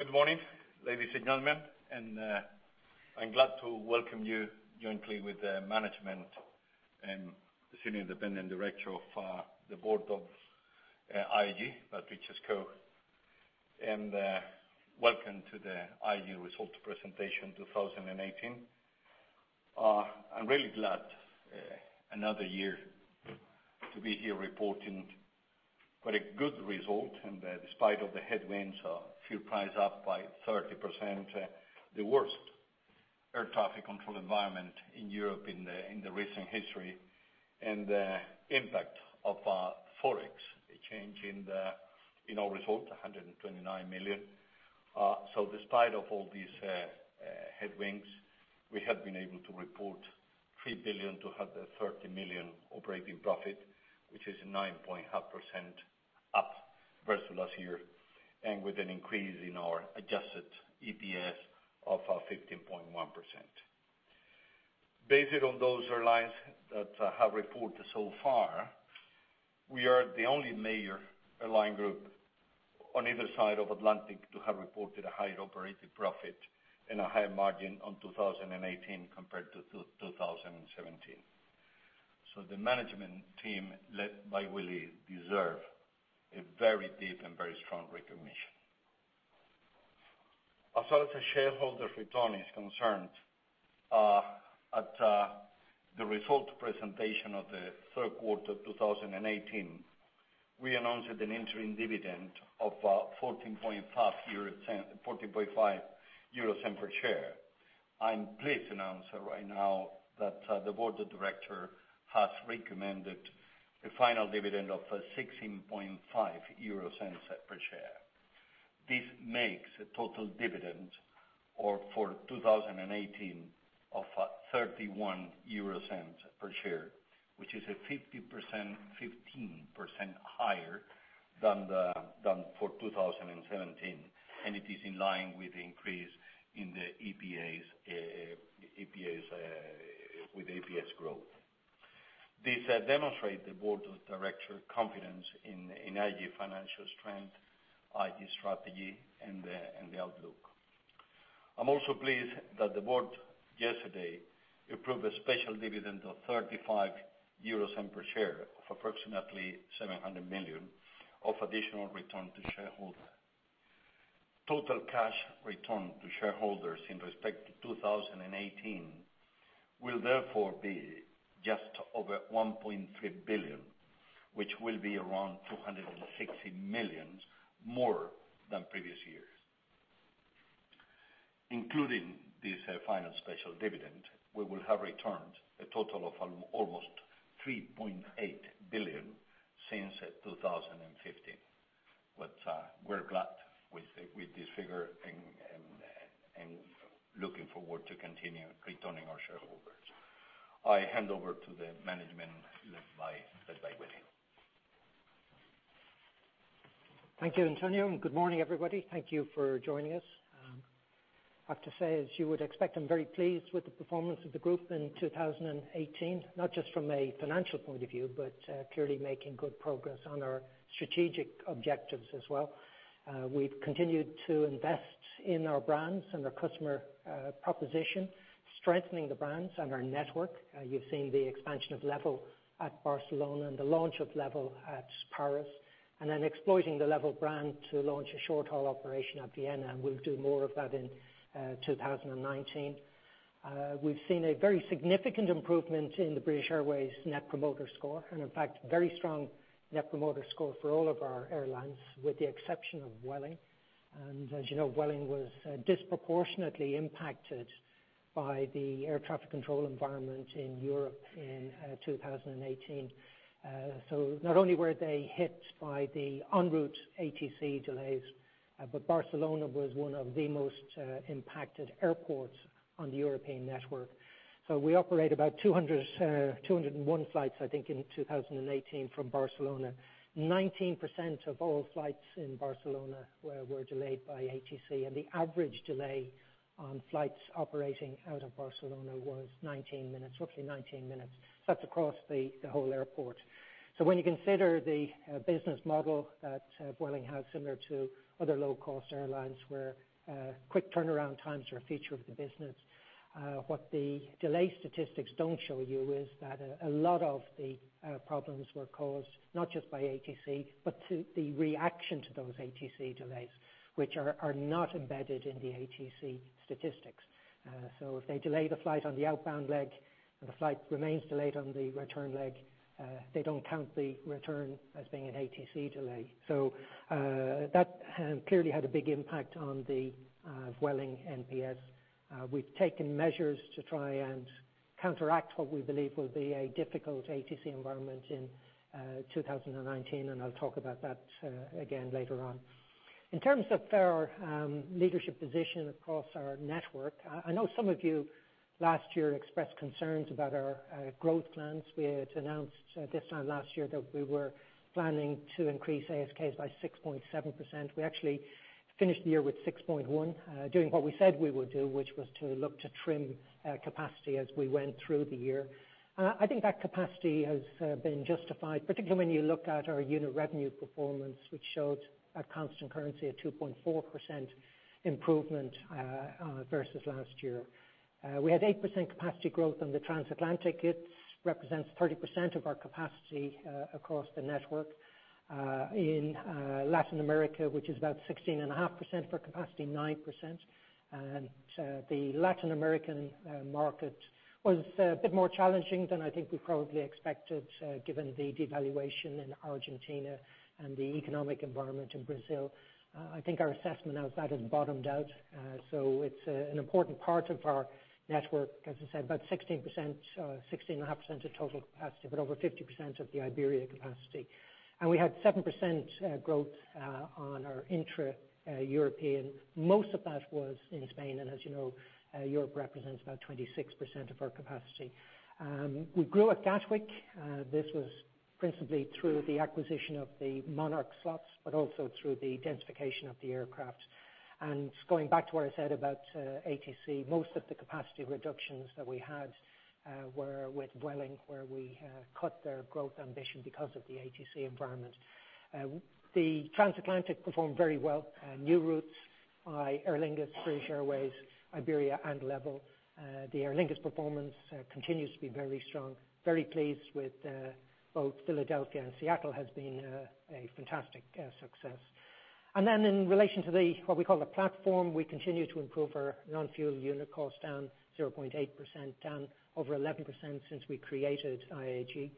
Good morning, ladies and gentlemen. I'm glad to welcome you jointly with the management and the Senior Independent Director of the board of IAG, Patrick Cescau. Welcome to the IAG results presentation 2018. I'm really glad another year to be here reporting quite a good result. Despite of the headwinds of fuel price up by 30%, the worst air traffic control environment in Europe in the recent history, and the impact of FX, a change in our result, 129 million. Despite of all these headwinds, we have been able to report 3.230 billion operating profit, which is 9.5% up versus last year, and with an increase in our adjusted EPS of 15.1%. Based on those airlines that have reported so far, we are the only major airline group on either side of Atlantic to have reported a higher operating profit and a higher margin on 2018 compared to 2017. The management team, led by Willie, deserve a very deep and very strong recognition. As far as the shareholder return is concerned, at the result presentation of the third quarter 2018, we announced an interim dividend of 0.145 euro per share. I'm pleased to announce right now that the Board of Directors has recommended a final dividend of 0.165 per share. This makes a total dividend for 2018 of 0.31 per share, which is 15% higher than for 2017, and it is in line with the increase with EPS growth. This demonstrate the Board of Directors confidence in IAG financial strength, IAG strategy, and the outlook. I'm also pleased that the Board yesterday approved a special dividend of 0.35 euros per share of approximately 700 million of additional return to shareholders. Total cash return to shareholders in respect to 2018 will therefore be just over 1.3 billion, which will be around 260 million more than previous years. Including this final special dividend, we will have returned a total of almost 3.8 billion since 2015. We're glad with this figure and looking forward to continue returning our shareholders. I hand over to the management led by Willie. Thank you, Antonio, and good morning, everybody. Thank you for joining us. I have to say, as you would expect, I'm very pleased with the performance of the group in 2018, not just from a financial point of view, but clearly making good progress on our strategic objectives as well. We've continued to invest in our brands and our customer proposition, strengthening the brands and our network. You've seen the expansion of LEVEL at Barcelona and the launch of LEVEL at Paris, and then exploiting the LEVEL brand to launch a short-haul operation at Vienna, and we'll do more of that in 2019. We've seen a very significant improvement in the British Airways Net Promoter Score, and in fact, very strong Net Promoter Score for all of our airlines, with the exception of Vueling. As you know, Vueling was disproportionately impacted by the air traffic control environment in Europe in 2018. Not only were they hit by the en route ATC delays, but Barcelona was one of the most impacted airports on the European network. We operate about 201 flights, I think, in 2018 from Barcelona. 19% of all flights in Barcelona were delayed by ATC, and the average delay on flights operating out of Barcelona was roughly 19 minutes. That's across the whole airport. When you consider the business model that Vueling has similar to other low-cost airlines, where quick turnaround times are a feature of the business, what the delay statistics don't show you is that a lot of the problems were caused not just by ATC, but the reaction to those ATC delays, which are not embedded in the ATC statistics. If they delay the flight on the outbound leg and the flight remains delayed on the return leg, they don't count the return as being an ATC delay. That clearly had a big impact on the Vueling NPS. We've taken measures to try and counteract what we believe will be a difficult ATC environment in 2019, and I'll talk about that again later on. In terms of our leadership position across our network, I know some of you last year expressed concerns about our growth plans. We had announced this time last year that we were planning to increase ASK by 6.7%. We actually finished the year with 6.1, doing what we said we would do, which was to look to trim capacity as we went through the year. I think that capacity has been justified, particularly when you look at our unit revenue performance, which showed at constant currency, a 2.4% improvement versus last year. We had 8% capacity growth on the transatlantic. It represents 30% of our capacity across the network. In Latin America, which is about 16.5% of our capacity, 9%. The Latin American market was a bit more challenging than I think we probably expected, given the devaluation in Argentina and the economic environment in Brazil. I think our assessment now is that has bottomed out. It's an important part of our network. As I said, about 16.5% of total capacity, but over 50% of the Iberia capacity. We had 7% growth on our intra-European. Most of that was in Spain. As you know, Europe represents about 26% of our capacity. We grew at Gatwick. This was principally through the acquisition of the Monarch slots, but also through the densification of the aircraft. Going back to what I said about ATC, most of the capacity reductions that we had were with Vueling, where we cut their growth ambition because of the ATC environment. The transatlantic performed very well. New routes by Aer Lingus, British Airways, Iberia, and LEVEL. The Aer Lingus performance continues to be very strong. Very pleased with both Philadelphia and Seattle has been a fantastic success. Then in relation to what we call the platform, we continue to improve our non-fuel unit cost down 0.8%, down over 11% since we created IAG.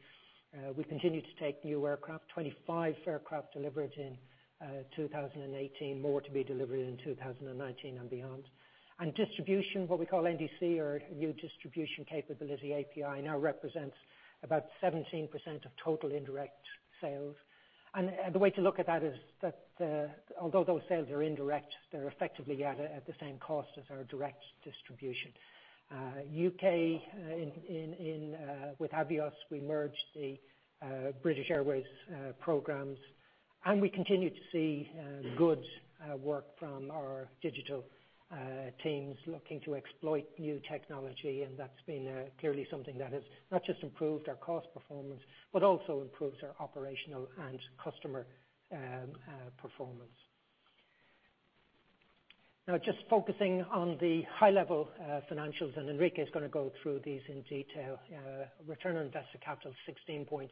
We continue to take new aircraft, 25 aircraft delivered in 2018. More to be delivered in 2019 and beyond. Distribution, what we call NDC or new distribution capability API, now represents about 17% of total indirect sales. The way to look at that is that although those sales are indirect, they are effectively at the same cost as our direct distribution. U.K., with Avios, we merged the British Airways programs. We continue to see good work from our digital teams looking to exploit new technology. That has been clearly something that has not just improved our cost performance, but also improves our operational and customer performance. Now just focusing on the high-level financials, Enrique is going to go through these in detail. Return on invested capital 16.6%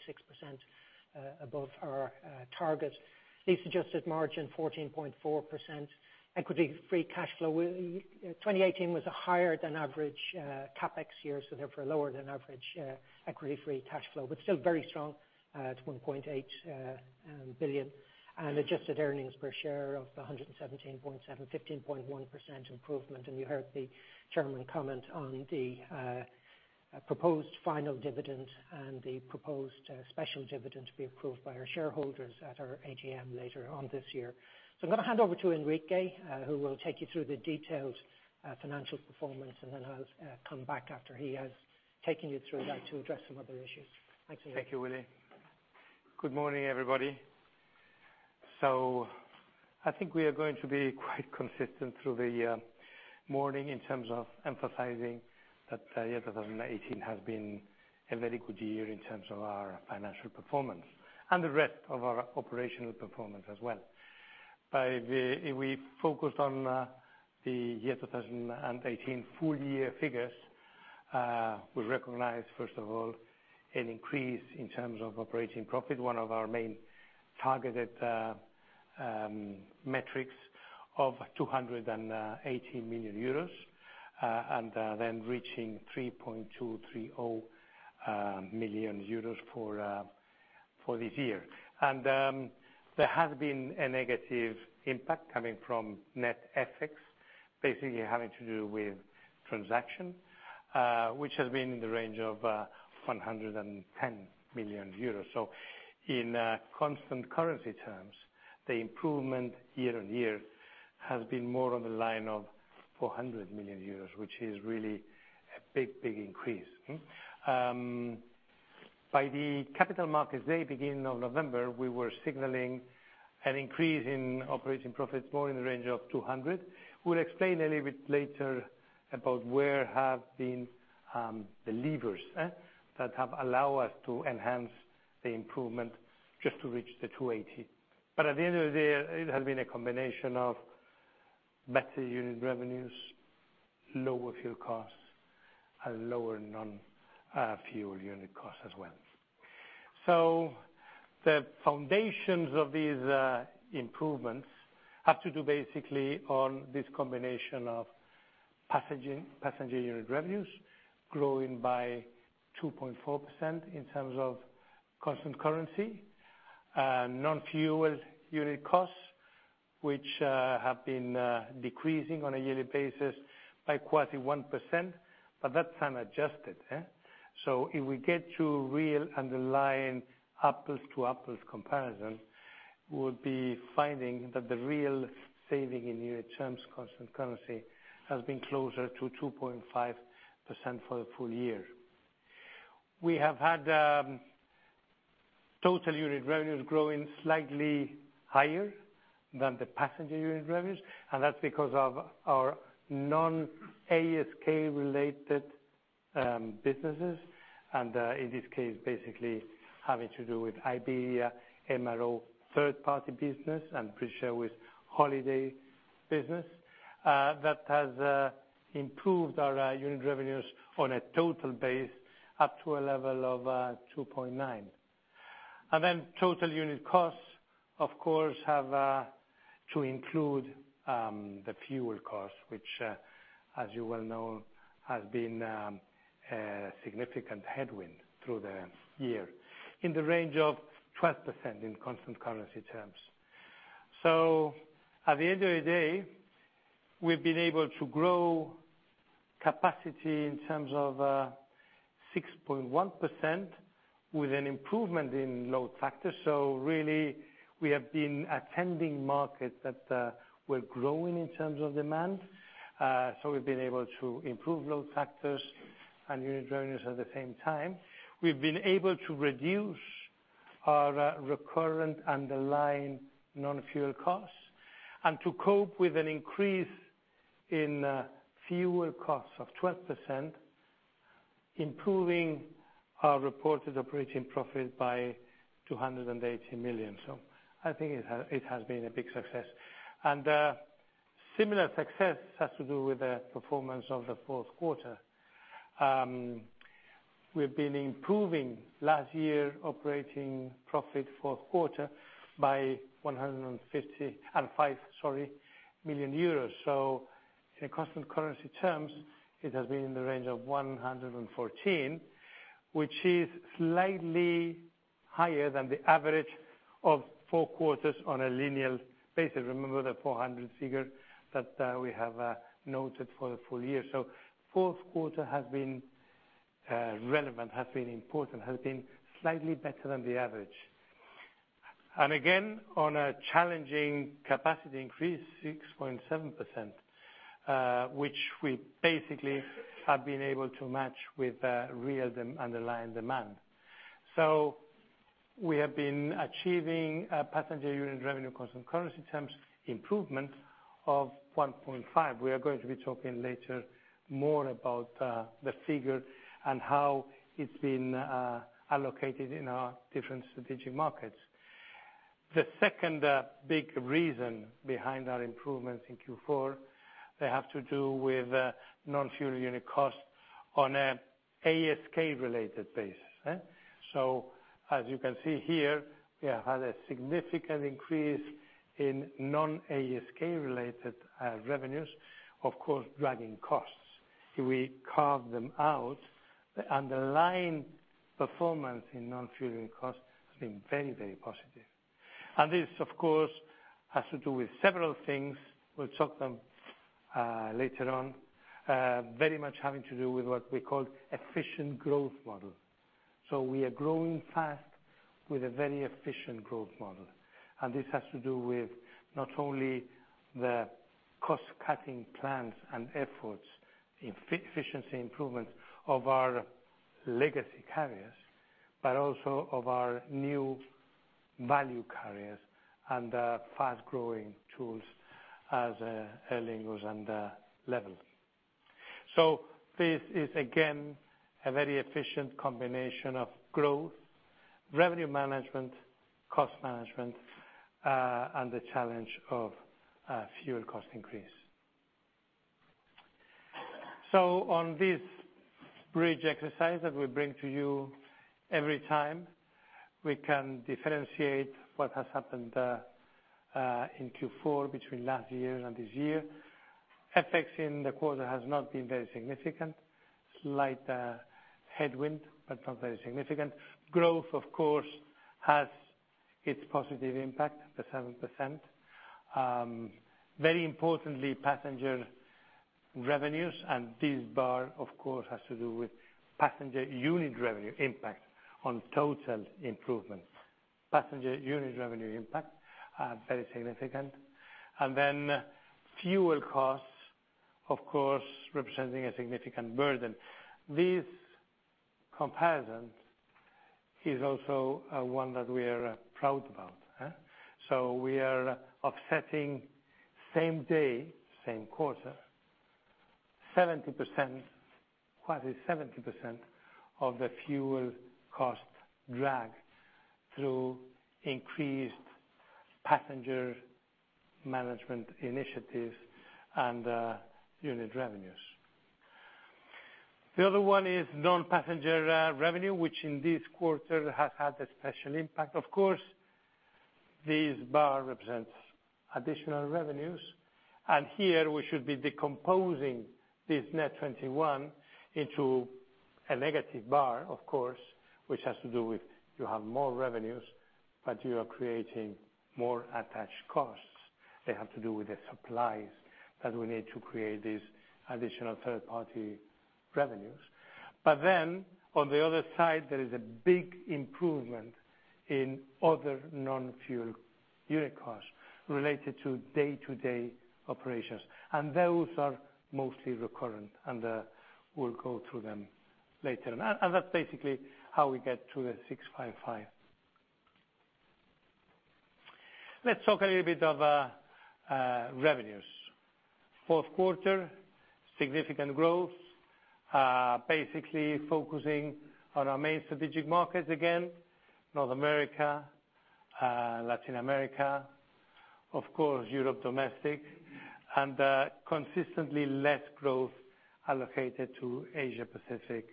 above our target. Adjusted margin 14.4%. Equity-free cash flow, 2018 was a higher than average CapEx year, therefore lower than average equity-free cash flow. Still very strong at 1.8 billion. Adjusted earnings per share of 117.7, 15.1% improvement. You heard the chairman comment on the proposed final dividend and the proposed special dividend to be approved by our shareholders at our AGM later on this year. I am going to hand over to Enrique, who will take you through the detailed financial performance, then I will come back after he has taken you through that to address some other issues. Thanks, Enrique. Thank you, Willie. Good morning, everybody. I think we are going to be quite consistent through the morning in terms of emphasizing that 2018 has been a very good year in terms of our financial performance and the rest of our operational performance as well. If we focused on the 2018 full-year figures, we recognize, first of all, an increase in terms of operating profit, one of our main targeted metrics of 218 million euros, then reaching 3,230 million euros for this year. There has been a negative impact coming from net FX, basically having to do with transaction, which has been in the range of 110 million euros. In constant currency terms, the improvement year-on-year has been more on the line of 400 million euros, which is really a big increase. By the Capital Markets Day beginning of November, we were signaling an increase in operating profit more in the range of 200 million. We will explain a little bit later about where have been the levers that have allowed us to enhance the improvement just to reach 280 million. At the end of the day, it has been a combination of better unit revenues, lower fuel costs, and lower non-fuel unit costs as well. The foundations of these improvements have to do basically on this combination of passenger unit revenues growing by 2.4% in terms of constant currency. Non-fuel unit costs, which have been decreasing on a yearly basis by 41%, but that is unadjusted. So if we get to real underlying apples-to-apples comparison, we will be finding that the real saving in EUR terms constant currency has been closer to 2.5% for the full year. We have had total unit revenues growing slightly higher than the passenger unit revenues. That's because of our non-ASK related businesses. In this case, basically having to do with Iberia, MRO, third-party business, and pretty sure with holiday business. That has improved our unit revenues on a total base up to a level of 2.9. Total unit costs, of course, have to include the fuel costs, which as you well know, has been a significant headwind through the year in the range of 12% in constant currency terms. At the end of the day, we've been able to grow capacity in terms of 6.1% with an improvement in load factor. Really, we have been attending markets that were growing in terms of demand. We've been able to improve load factors and unit revenues at the same time. We've been able to reduce our recurrent underlying non-fuel costs and to cope with an increase in fuel costs of 12%, improving our reported operating profit by 280 million. I think it has been a big success. Similar success has to do with the performance of the fourth quarter. We've been improving last year operating profit fourth quarter by 105 million euros. In constant currency terms, it has been in the range of 114, which is slightly higher than the average of four quarters on a linear basis. Remember the 400 figure that we have noted for the full year. Fourth quarter has been relevant, has been important, has been slightly better than the average. Again, on a challenging capacity increase, 6.7%, which we basically have been able to match with real underlying demand. We have been achieving a passenger unit revenue, constant currency terms improvement of 1.5%. We are going to be talking later more about the figure and how it's been allocated in our different strategic markets. The second big reason behind our improvements in Q4, they have to do with non-fuel unit costs on an ASK-related basis. As you can see here, we have had a significant increase in non-ASK related revenues, of course, driving costs. If we carve them out, the underlying performance in non-fuel unit costs has been very, very positive. This, of course, has to do with several things. We'll talk them later on. Very much having to do with what we call efficient growth model. We are growing fast with a very efficient growth model. This has to do with not only the cost-cutting plans and efforts in efficiency improvement of our legacy carriers, but also of our new value carriers and fast-growing tools as Aer Lingus and LEVEL. This is again, a very efficient combination of growth, revenue management, cost management, and the challenge of fuel cost increase. On this bridge exercise that we bring to you every time, we can differentiate what has happened in Q4, between last year and this year. FX in the quarter has not been very significant. Slight headwind, not very significant. Growth, of course, has its positive impact, the 7%. Very importantly, passenger revenues. This bar, of course, has to do with passenger unit revenue impact on total improvement. Passenger unit revenue impact are very significant. Fuel costs, of course, representing a significant burden. This comparison is also one that we are proud about. We are offsetting same day, same quarter, 70%, quasi 70% of the fuel cost drag through increased passenger management initiatives and unit revenues. The other one is non-passenger revenue, which in this quarter has had a special impact. Of course, this bar represents additional revenues. Here we should be decomposing this net 21 into a negative bar, of course, which has to do with you have more revenues, but you are creating more attached costs. They have to do with the supplies that we need to create these additional third-party revenues. On the other side, there is a big improvement in other non-fuel unit costs related to day-to-day operations. Those are mostly recurrent, and we'll go through them later. That's basically how we get to the 655. Let's talk a little bit of revenues. Fourth quarter, significant growth. Basically focusing on our main strategic markets again, North America, Latin America, of course Europe domestic, and consistently less growth allocated to Asia Pacific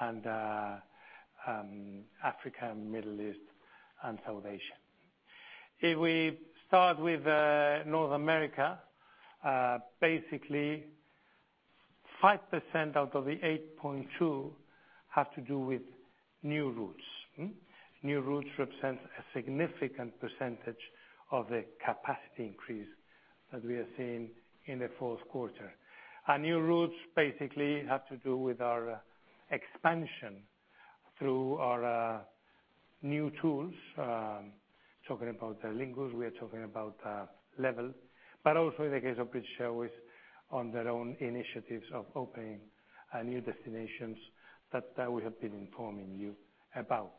and Africa and Middle East and South Asia. If we start with North America, basically 5% out of the 8.2 have to do with new routes. New routes represent a significant percentage of the capacity increase that we are seeing in the fourth quarter. New routes basically have to do with our expansion through our new tools. Talking about Aer Lingus, we are talking about LEVEL, but also in the case of British Airways on their own initiatives of opening new destinations that we have been informing you about.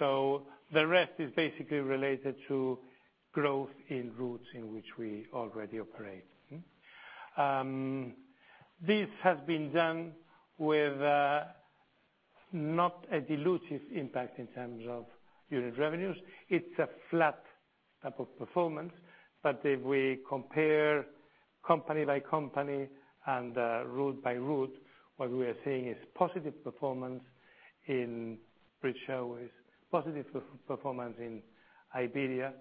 The rest is basically related to growth in routes in which we already operate. This has been done with not a dilutive impact in terms of unit revenues. It's a flat type of performance, but if we compare company by company and route by route, what we are seeing is positive performance in British Airways, positive performance in Iberia,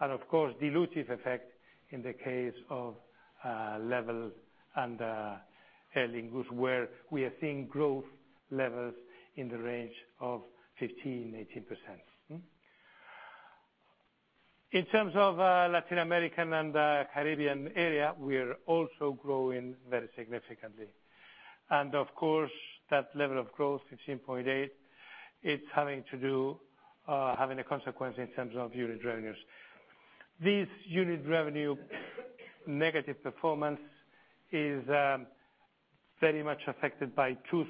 and of course dilutive effect in the case of LEVEL and Aer Lingus, where we are seeing growth levels in the range of 15%-18%. In terms of Latin American and the Caribbean area, we are also growing very significantly. Of course, that level of growth, 15.8%, it's having a consequence in terms of unit revenues. This unit revenue negative performance is very much affected by two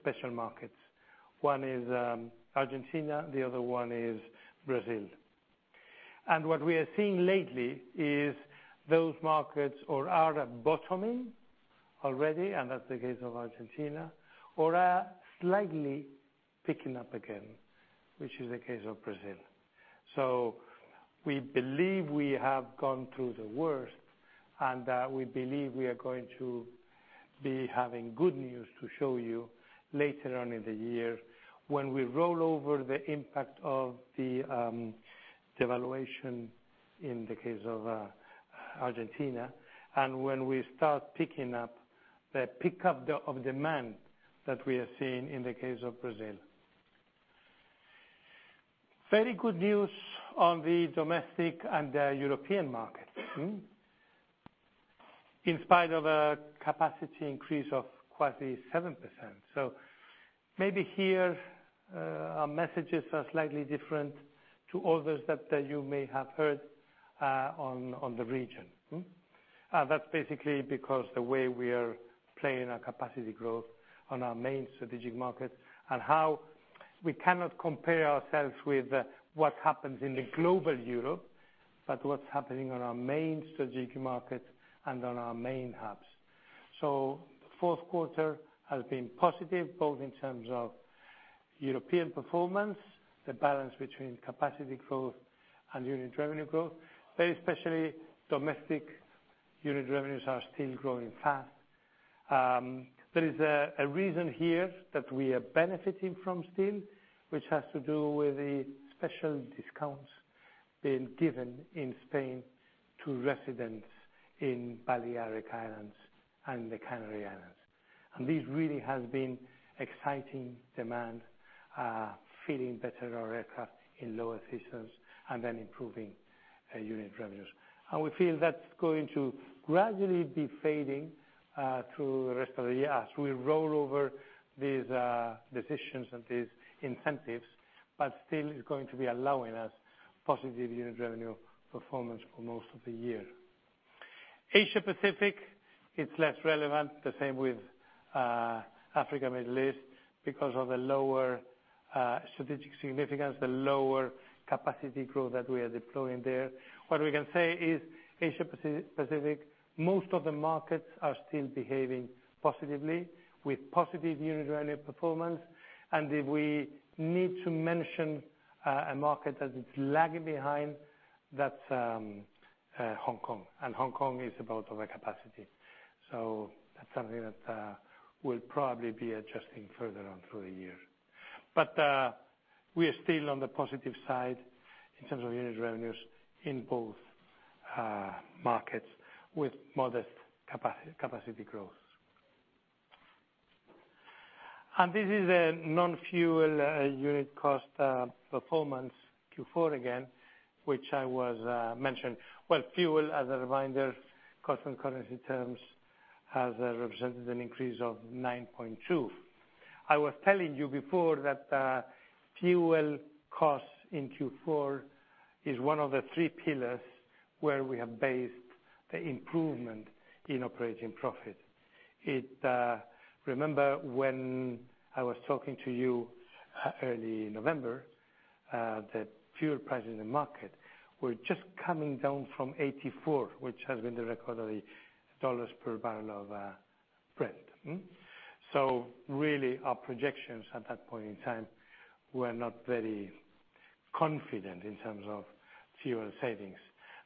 special markets. One is Argentina, the other one is Brazil. What we are seeing lately is those markets are bottoming already, and that's the case of Argentina, or are slightly picking up again, which is the case of Brazil. We believe we have gone through the worst, and we believe we are going to be having good news to show you later on in the year when we roll over the impact of the devaluation in the case of Argentina and when we start picking up the pickup of demand that we are seeing in the case of Brazil. Very good news on the domestic and European market. In spite of a capacity increase of quasi 7%. Maybe here our messages are slightly different to others that you may have heard on the region. That's basically because the way we are playing our capacity growth on our main strategic markets and how we cannot compare ourselves with what happens in the global Europe, but what's happening on our main strategic markets and on our main hubs. Fourth quarter has been positive both in terms of European performance, the balance between capacity growth and unit revenue growth, but especially domestic unit revenues are still growing fast. There is a reason here that we are benefiting from still, which has to do with the special discounts being given in Spain to residents in Balearic Islands and the Canary Islands. This really has been exciting demand, filling better our aircraft in low seasons and then improving unit revenues. We feel that's going to gradually be fading through the rest of the year as we roll over these decisions and these incentives, but still is going to be allowing us positive unit revenue performance for most of the year. Asia-Pacific, it's less relevant. The same with Africa, Middle East, because of the lower strategic significance, the lower capacity growth that we are deploying there. What we can say is Asia-Pacific, most of the markets are still behaving positively with positive unit revenue performance. If we need to mention a market that is lagging behind, that's Hong Kong. Hong Kong is about overcapacity. That's something that we'll probably be adjusting further on through the year. We are still on the positive side in terms of unit revenues in both markets with modest capacity growth. This is a non-fuel unit cost, performance Q4 again, which I was mentioning. Fuel, as a reminder, constant currency terms, has represented an increase of 9.2%. I was telling you before that fuel costs in Q4 is one of the three pillars where we have based the improvement in operating profit. Remember when I was talking to you early November, the fuel price in the market was just coming down from $84, which has been the record of the dollars per barrel of Brent. Really our projections at that point in time were not very confident in terms of fuel savings.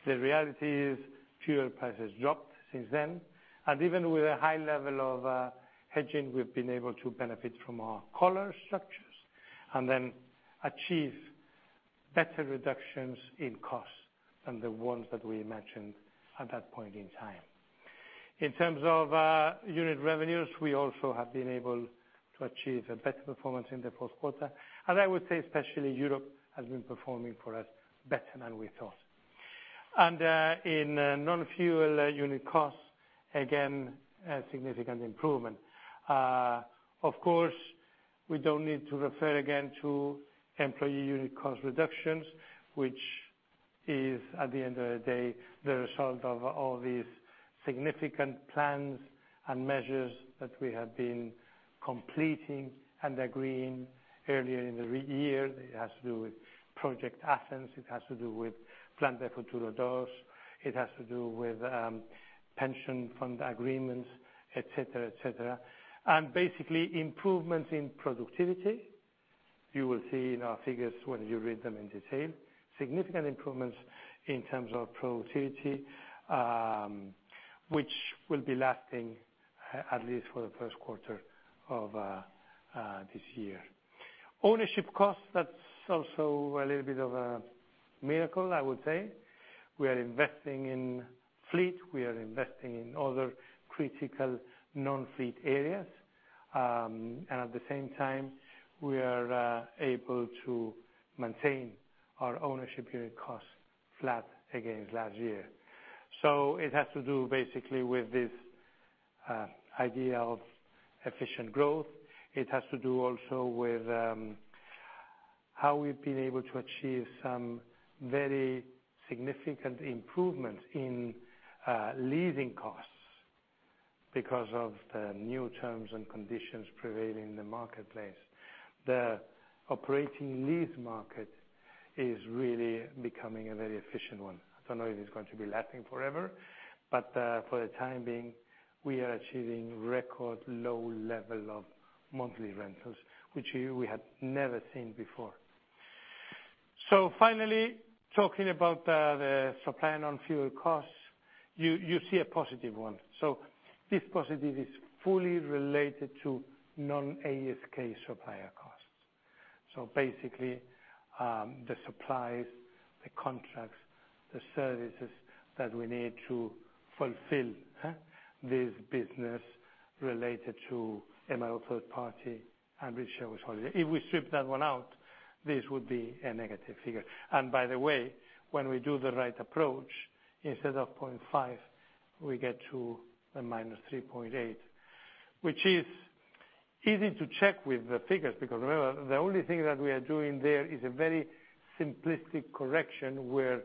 The reality is fuel prices dropped since then, even with a high level of hedging, we've been able to benefit from our collar structures, then achieve better reductions in costs than the ones that we imagined at that point in time. In terms of unit revenues, we also have been able to achieve a better performance in the fourth quarter. I would say especially Europe has been performing for us better than we thought. In non-fuel unit costs, again, a significant improvement. Of course, we don't need to refer again to employee unit cost reductions, which is, at the end of the day, the result of all these significant plans and measures that we have been completing and agreeing earlier in the year. It has to do with Project Athens, it has to do with Plan de Futuro Dos, it has to do with pension fund agreements, et cetera. Basically improvements in productivity. You will see in our figures when you read them in detail, significant improvements in terms of productivity, which will be lasting at least for the first quarter of this year. Ownership costs, that's also a little bit of a miracle, I would say. We are investing in fleet, we are investing in other critical non-fleet areas. At the same time, we are able to maintain our ownership unit cost flat against last year. It has to do basically with this idea of efficient growth. It has to do also with how we've been able to achieve some very significant improvements in leasing costs because of the new terms and conditions prevailing in the marketplace. The operating lease market is really becoming a very efficient one. I don't know if it is going to be lasting forever, but for the time being, we are achieving record low level of monthly rentals, which we had never seen before. Finally, talking about the supplier non-fuel costs, you see a positive one. This positive is fully related to non-ASK supplier costs. The supplies, the contracts, the services that we need to fulfill this business related to MRO third party and uncertain. If we strip that one out, this would be a negative figure. By the way, when we do the right approach, instead of 0.5, we get to a -3.8, which is easy to check with the figures because remember, the only thing that we are doing there is a very simplistic correction where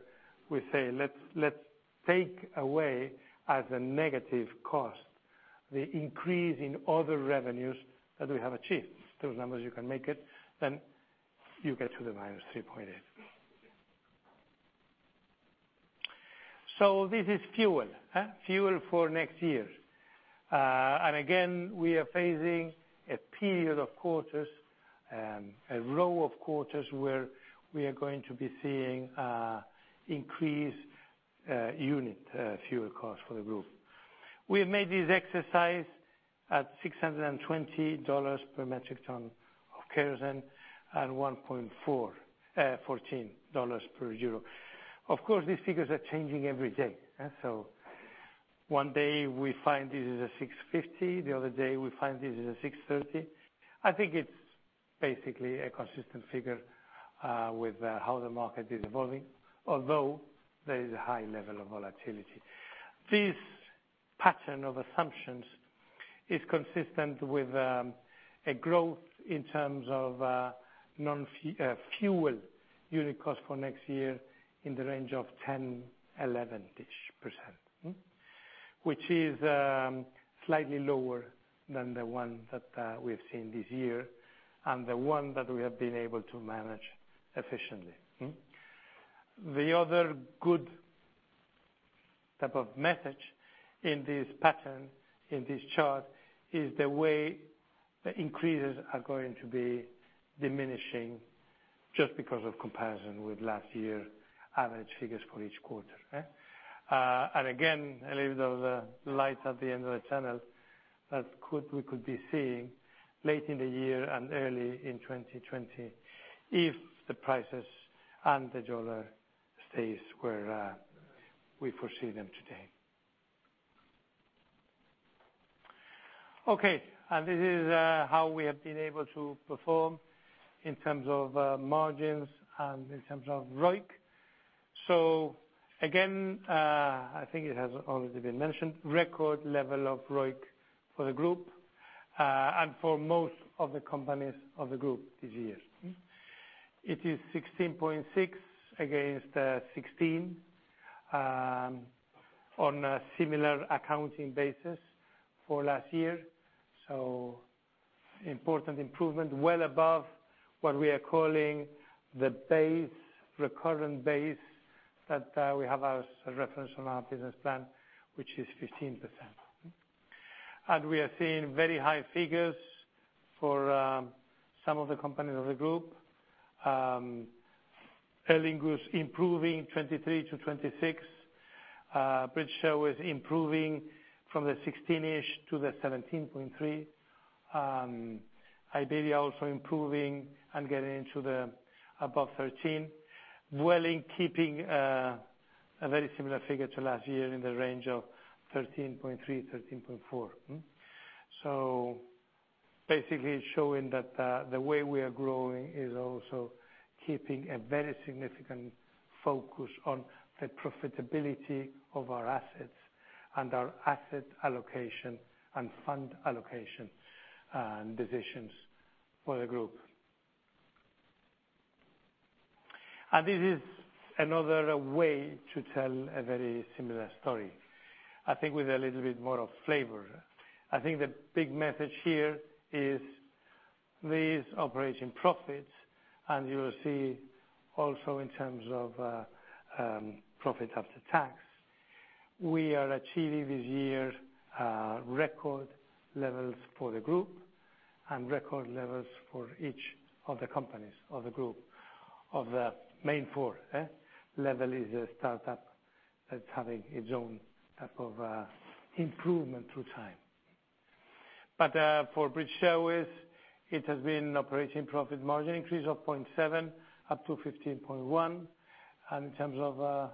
we say, let's take away as a negative cost, the increase in other revenues that we have achieved. Those numbers, you can make it, then you get to the -3.8. This is fuel. Fuel for next year. Again, we are facing a period of quarters, a row of quarters where we are going to be seeing increased unit fuel costs for the group. We have made this exercise at $620 per metric ton of kerosene and $1.14 per EUR. Of course, these figures are changing every day. One day we find this is a $650, the other day we find this is a $630. It is a consistent figure, with how the market is evolving, although there is a high level of volatility. This pattern of assumptions is consistent with a growth in terms of fuel unit cost for next year in the range of 10%-11%. Which is slightly lower than the one that we have seen this year and the one that we have been able to manage efficiently. The other good type of message in this pattern, in this chart, is the way the increases are going to be diminishing just because of comparison with last year average figures for each quarter. Again, a little bit of the light at the end of the tunnel that we could be seeing late in the year and early in 2020 if the prices and the dollar stays where we foresee them today. Okay. This is how we have been able to perform in terms of margins and in terms of ROIC. Record level of ROIC for the group, and for most of the companies of the group this year. It is 16.6% against 16%, on a similar accounting basis for last year. Important improvement, well above what we are calling the base, recurrent base, that we have as a reference on our business plan, which is 15%. We are seeing very high figures for some of the companies of the group. Aer Lingus improving 23%-26%. British Airways improving from the 16%-ish to the 17.3%. Iberia also improving and getting into the above 13%. Vueling keeping a very similar figure to last year in the range of 13.3%-13.4%. Basically showing that the way we are growing is also keeping a very significant focus on the profitability of our assets and our asset allocation and fund allocation decisions for the group. This is another way to tell a very similar story, I think with a little bit more of flavor. The big message here is these operating profits, and you will see also in terms of profit after tax. We are achieving this year record levels for the group and record levels for each of the companies of the group, of the main four. LEVEL is a startup that's having its own type of improvement through time. But for British Airways, it has been an operating profit margin increase of 0.7 up to 15.1. In terms of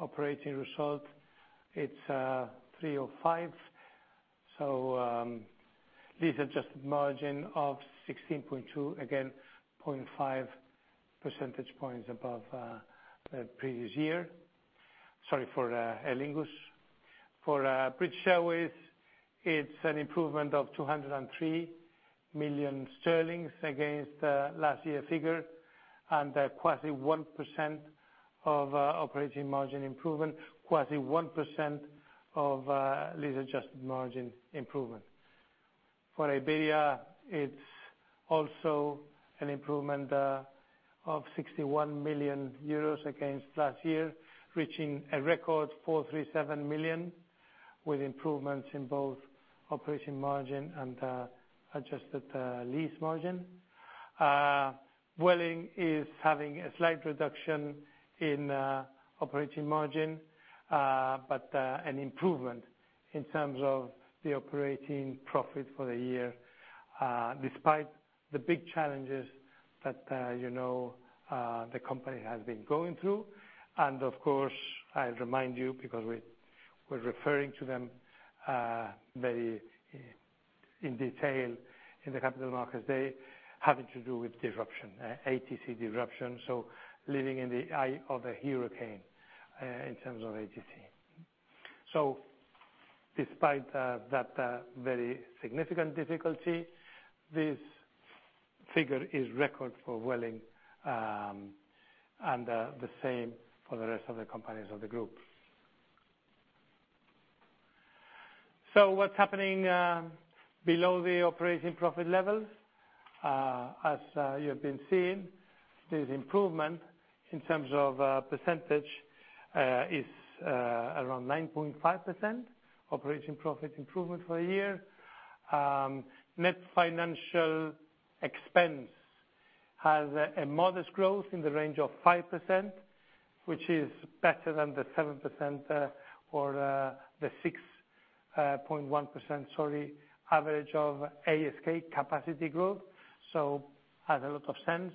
operating results, it's 305. Lease-adjusted margin of 16.2, again, 0.5 percentage points above the previous year. Sorry for Aer Lingus. For British Airways, it's an improvement of 203 million sterling against last year's figure, quasi 1% of operating margin improvement, quasi 1% of lease-adjusted margin improvement. For Iberia, it's also an improvement of 61 million euros against last year, reaching a record 437 million, with improvements in both operating margin and adjusted lease margin. Vueling is having a slight reduction in operating margin, but an improvement in terms of the operating profit for the year, despite the big challenges that the company has been going through. Of course, I'll remind you, because we're referring to them very in detail in the Capital Markets Day, having to do with disruption, ATC disruption. Living in the eye of a hurricane, in terms of ATC. Despite that very significant difficulty, this figure is record for Vueling, and the same for the rest of the companies of the group. What's happening below the operating profit levels? As you have been seeing, this improvement in terms of percentage, is around 9.5% operating profit improvement for the year. Net financial expense has a modest growth in the range of 5%, which is better than the 7% or the 6.1%, sorry, average of ASK capacity growth. Has a lot of sense.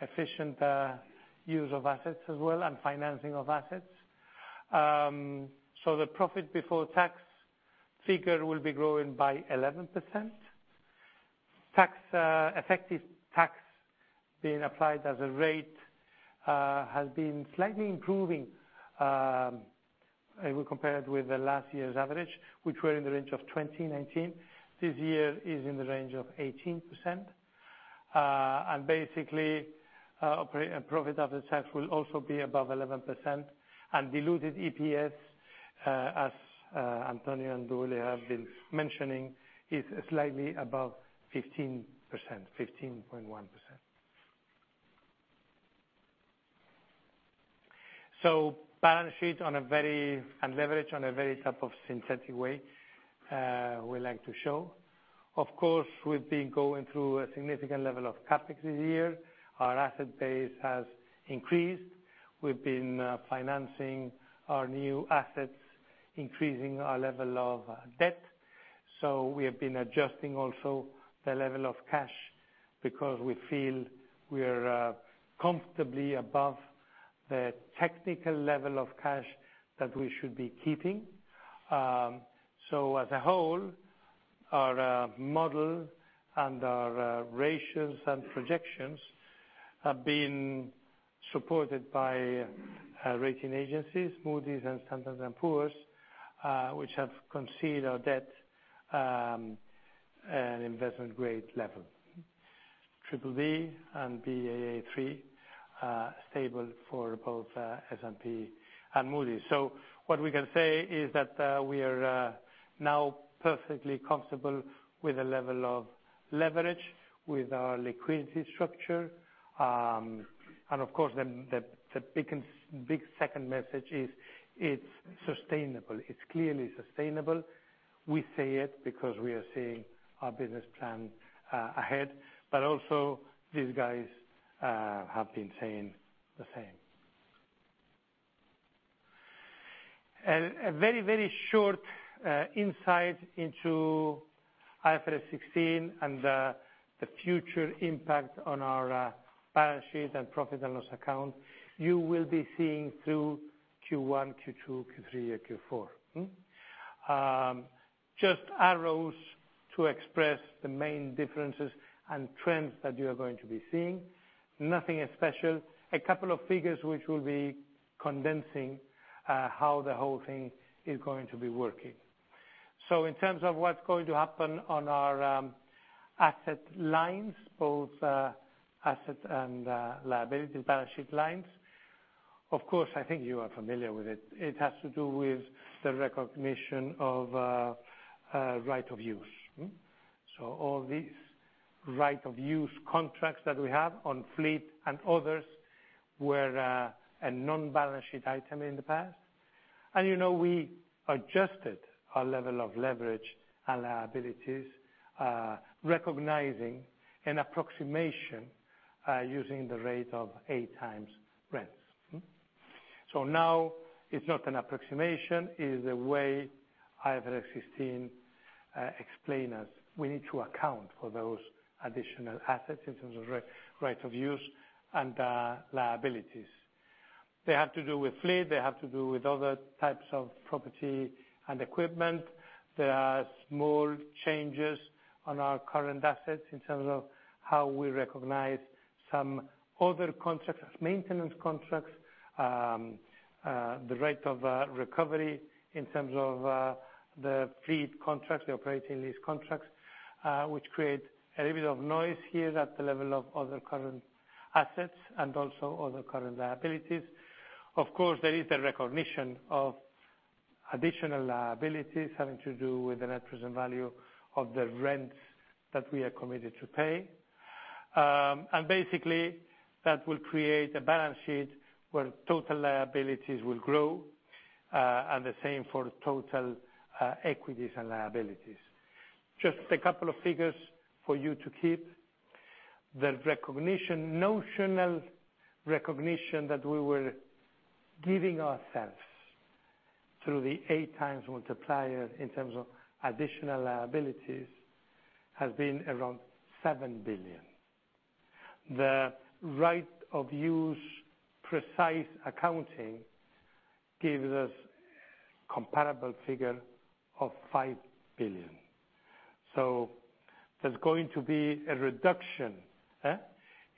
Efficient use of assets as well and financing of assets. The profit before tax figure will be growing by 11%. Effective tax being applied as a rate has been slightly improving, we compare it with the last year's average, which were in the range of 2019. This year is in the range of 18%. Basically, profit after tax will also be above 11%. Diluted EPS, as Antonio and [inaudible] have been mentioning, is slightly above 15%, 15.1%. Balance sheet and leverage on a very type of synthetic way, we like to show. Of course, we've been going through a significant level of CapEx this year. Our asset base has increased. We've been financing our new assets, increasing our level of debt. So we have been adjusting also the level of cash, because we feel we are comfortably above the technical level of cash that we should be keeping. As a whole, our model and our ratios and projections have been supported by rating agencies, Moody's and Standard & Poor's, which have considered our debt an investment grade level. BBB and Baa3, stable for both S&P and Moody's. What we can say is that we are now perfectly comfortable with the level of leverage, with our liquidity structure. Of course, the big second message is it's sustainable. It's clearly sustainable. We say it because we are seeing our business plan ahead, also these guys have been saying the same. A very short insight into IFRS 16 and the future impact on our balance sheet and profit and loss account, you will be seeing through Q1, Q2, Q3, and Q4. Just arrows to express the main differences and trends that you are going to be seeing. Nothing special. A couple of figures which will be condensing how the whole thing is going to be working. In terms of what's going to happen on our asset lines, both asset and liability balance sheet lines, of course, I think you are familiar with it. It has to do with the recognition of right of use. All these right of use contracts that we have on fleet and others were a non-balance sheet item in the past. You know, we adjusted our level of leverage and liabilities, recognizing an approximation using the rate of eight times rents. Now it's not an approximation, it's the way IFRS 16 explain us. We need to account for those additional assets in terms of right of use and liabilities. They have to do with fleet, they have to do with other types of property and equipment. There are small changes on our current assets in terms of how we recognize some other contracts, maintenance contracts, the rate of recovery in terms of the fleet contracts, the operating lease contracts, which create a little bit of noise here at the level of other current assets and also other current liabilities. Of course, there is a recognition of additional liabilities having to do with the net present value of the rents that we are committed to pay. Basically that will create a balance sheet where total liabilities will grow. The same for total equities and liabilities. Just a couple of figures for you to keep. The recognition, notional recognition that we were giving ourselves through the eight times multiplier in terms of additional liabilities has been around 7 billion. The right of use precise accounting gives us comparable figure of 5 billion. There's going to be a reduction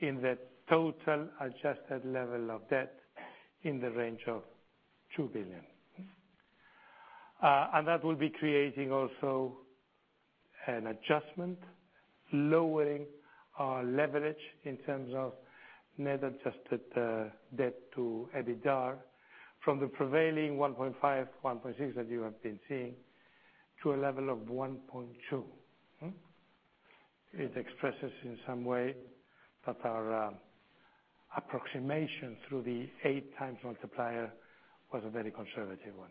in the total adjusted level of debt in the range of 2 billion. That will be creating also an adjustment, lowering our leverage in terms of net adjusted debt to EBITDA from the prevailing 1.5, 1.6 that you have been seeing, to a level of 1.2. It expresses in some way that our approximation through the eight times multiplier was a very conservative one.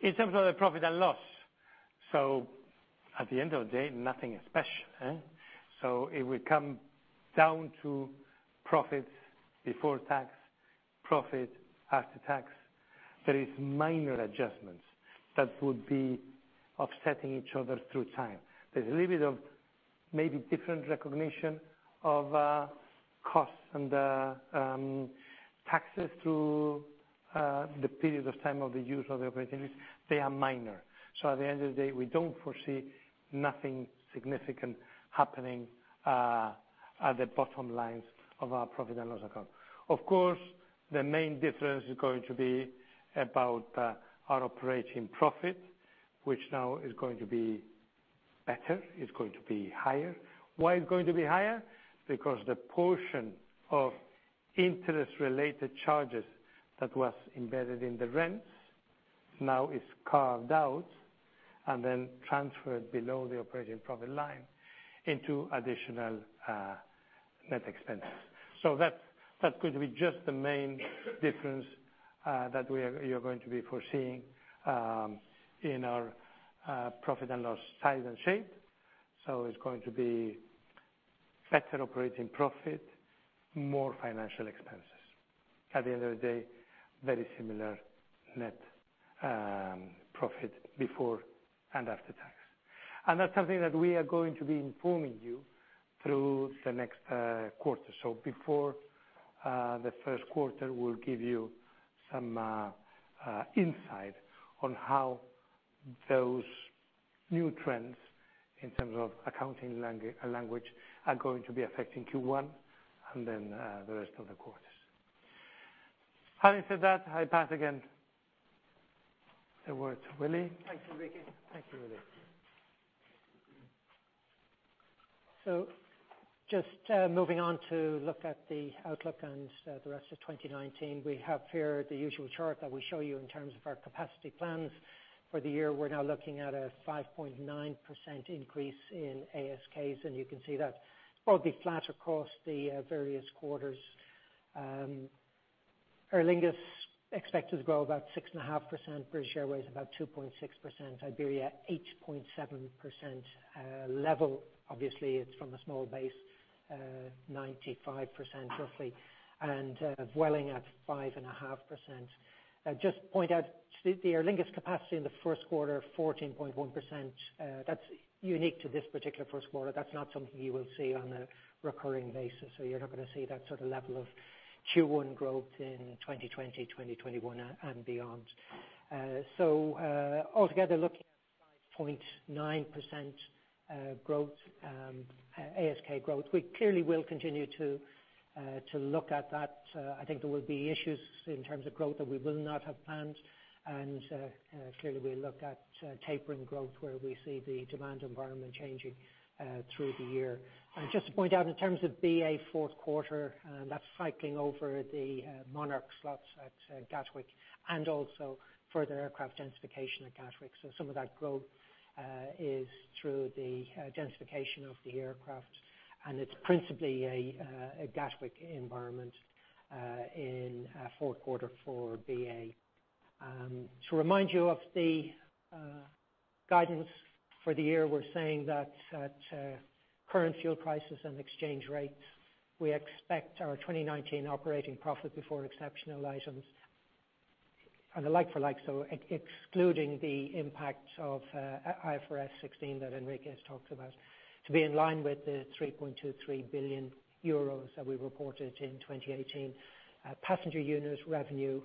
In terms of the profit and loss, at the end of the day, nothing special. It will come down to profits before tax, profit after tax. There is minor adjustments that would be offsetting each other through time. There's a little bit of maybe different recognition of costs and taxes through the period of time of the use of the operating lease. They are minor. At the end of the day, we don't foresee nothing significant happening at the bottom lines of our profit and loss account. Of course, the main difference is going to be about our operating profit, which now is going to be better, is going to be higher. Why is it going to be higher? Because the portion of interest-related charges that was embedded in the rents now is carved out and then transferred below the operating profit line into additional net expenses. That could be just the main difference that you're going to be foreseeing in our profit and loss size and shape. It's going to be. Better operating profit, more financial expenses. At the end of the day, very similar net profit before and after tax. That's something that we are going to be informing you through the next quarter. Before the first quarter, we'll give you some insight on how those new trends, in terms of accounting language, are going to be affecting Q1, and then the rest of the quarters. Having said that, I pass again the word to Willie. Thank you, Enrique. Thank you, Willie. Just moving on to look at the outlook and the rest of 2019. We have here the usual chart that we show you in terms of our capacity plans for the year. We're now looking at a 5.9% increase in ASKs, you can see that it's broadly flat across the various quarters. Aer Lingus expects to grow about 6.5%, British Airways about 2.6%, Iberia 8.7%. LEVEL, obviously, it's from a small base, 95% roughly. Vueling at 5.5%. Just point out, the Aer Lingus capacity in the first quarter, 14.1%, that's unique to this particular first quarter. That's not something you will see on a recurring basis, you're not going to see that sort of level of Q1 growth in 2020, 2021, and beyond. Altogether, looking at 5.9% ASK growth. We clearly will continue to look at that. I think there will be issues in terms of growth that we will not have planned. Clearly, we'll look at tapering growth where we see the demand environment changing through the year. Just to point out, in terms of BA fourth quarter, that's cycling over the Monarch slots at Gatwick and also further aircraft densification at Gatwick. Some of that growth is through the densification of the aircraft, and it's principally a Gatwick environment in fourth quarter for BA. To remind you of the guidance for the year, we're saying that at current fuel prices and exchange rates, we expect our 2019 operating profit before exceptional items on a like for like, so excluding the impact of IFRS 16 that Enrique has talked about, to be in line with the 3.23 billion euros that we reported in 2018. Passenger unit revenue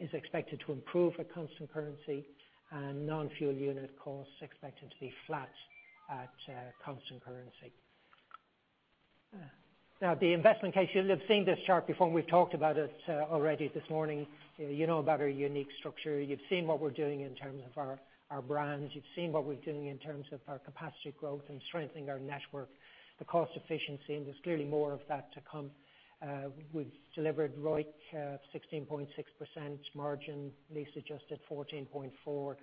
is expected to improve at constant currency. Non-fuel unit cost is expected to be flat at constant currency. The investment case. You'll have seen this chart before. We've talked about it already this morning. You know about our unique structure. You've seen what we're doing in terms of our brands. You've seen what we're doing in terms of our capacity growth and strengthening our network. The cost efficiency, there's clearly more of that to come. We've delivered ROIC of 16.6% margin, lease-adjusted 14.4%,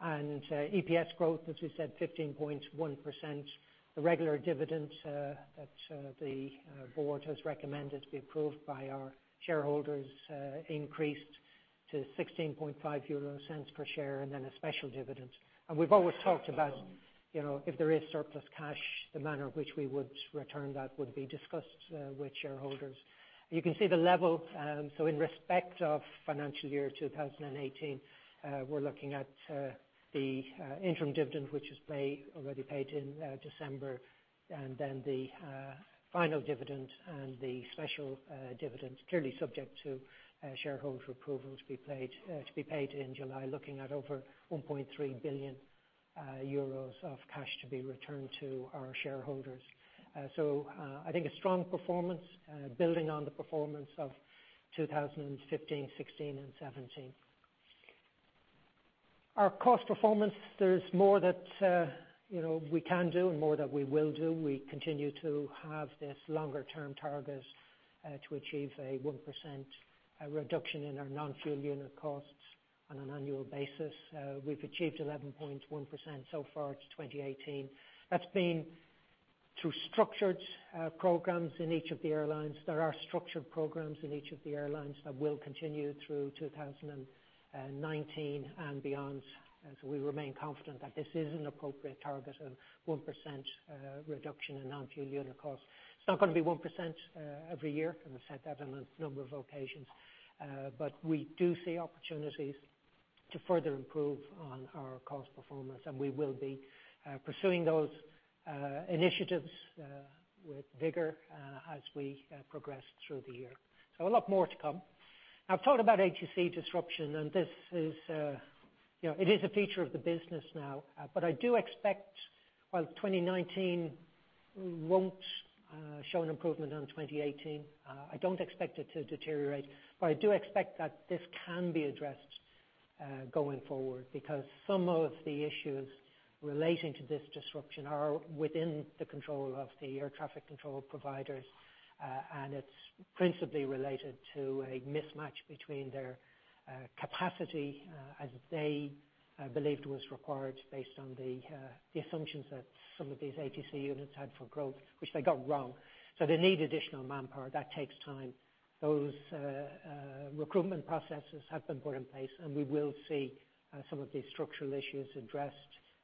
and EPS growth, as we said, 15.1%. The regular dividend that the board has recommended to be approved by our shareholders increased to 0.165 per share, then a special dividend. We've always talked about if there is surplus cash, the manner in which we would return that would be discussed with shareholders. You can see the level. In respect of financial year 2018, we're looking at the interim dividend, which is already paid in December, then the final dividend and the special dividend, clearly subject to shareholder approval, to be paid in July. Looking at over 1.3 billion euros of cash to be returned to our shareholders. I think a strong performance, building on the performance of 2015, 2016, and 2017. Our cost performance, there's more that we can do and more that we will do. We continue to have this longer-term target to achieve a 1% reduction in our non-fuel unit costs on an annual basis. We've achieved 11.1% so far to 2018. That's been through structured programs in each of the airlines. There are structured programs in each of the airlines that will continue through 2019 and beyond. We remain confident that this is an appropriate target of 1% reduction in non-fuel unit cost. It's not going to be 1% every year, I've said that on a number of occasions. We do see opportunities to further improve on our cost performance, we will be pursuing those initiatives with vigor as we progress through the year. A lot more to come. I've talked about ATC disruption, it is a feature of the business now. I do expect while 2019 won't show an improvement on 2018, I don't expect it to deteriorate. I do expect that this can be addressed going forward because some of the issues relating to this disruption are within the control of the air traffic control providers, and it is principally related to a mismatch between their capacity as they believed was required based on the assumptions that some of these ATC units had for growth, which they got wrong. They need additional manpower. That takes time. Those recruitment processes have been put in place, and we will see some of these structural issues addressed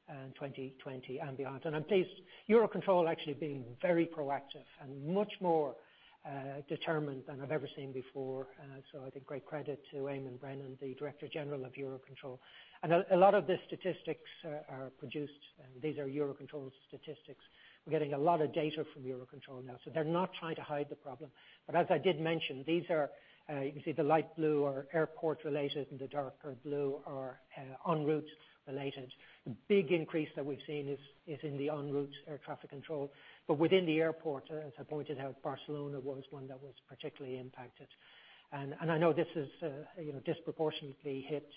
in 2020 and beyond. I am pleased Eurocontrol actually being very proactive and much more determined than I have ever seen before. I think great credit to Eamonn Brennan, the Director General of Eurocontrol. A lot of the statistics are produced, and these are Eurocontrol statistics. We are getting a lot of data from Eurocontrol now, they are not trying to hide the problem. As I did mention, you can see the light blue are airport related, and the darker blue are en route related. The big increase that we have seen is in the en route air traffic control. Within the airport, as I pointed out, Barcelona was one that was particularly impacted. I know this has disproportionately hit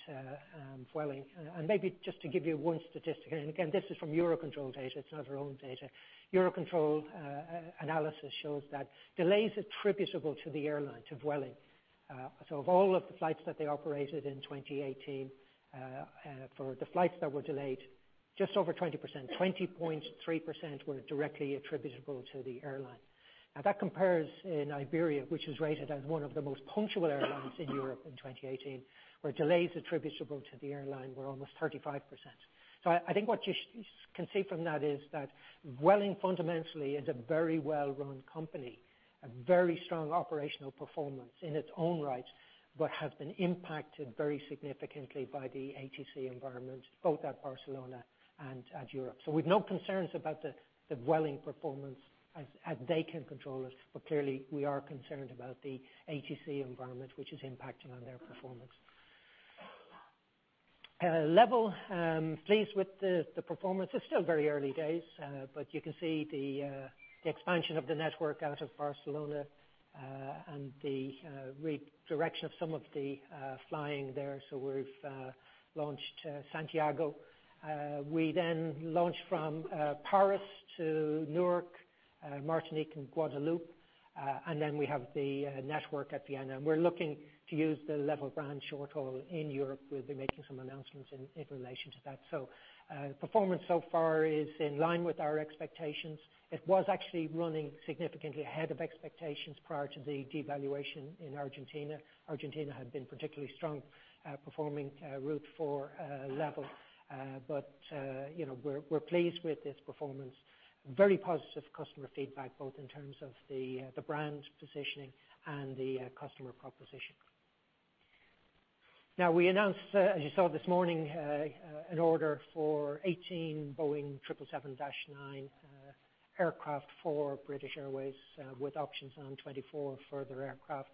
Vueling. Maybe just to give you one statistic, and again, this is from Eurocontrol data, it is not our own data. Eurocontrol analysis shows that delays attributable to the airline, to Vueling. Of all of the flights that they operated in 2018, for the flights that were delayed, just over 20%, 20.3% were directly attributable to the airline. That compares in Iberia, which is rated as one of the most punctual airlines in Europe in 2018, where delays attributable to the airline were almost 35%. I think what you can see from that is that Vueling fundamentally is a very well-run company. A very strong operational performance in its own right, but has been impacted very significantly by the ATC environment, both at Barcelona and at Europe. We have no concerns about the Vueling performance as they can control it. Clearly we are concerned about the ATC environment, which is impacting on their performance. LEVEL, pleased with the performance. It is still very early days. You can see the expansion of the network out of Barcelona, and the redirection of some of the flying there. We have launched Santiago. We launched from Paris to Newark, Martinique, and Guadeloupe. We have the network at Vienna. We are looking to use the LEVEL brand short-haul in Europe. We will be making some announcements in relation to that. Performance so far is in line with our expectations. It was actually running significantly ahead of expectations prior to the devaluation in Argentina. Argentina had been particularly strong performing route for LEVEL. We are pleased with its performance. Very positive customer feedback, both in terms of the brand positioning and the customer proposition. We announced, as you saw this morning, an order for 18 Boeing 777-9 aircraft for British Airways with options on 24 further aircraft.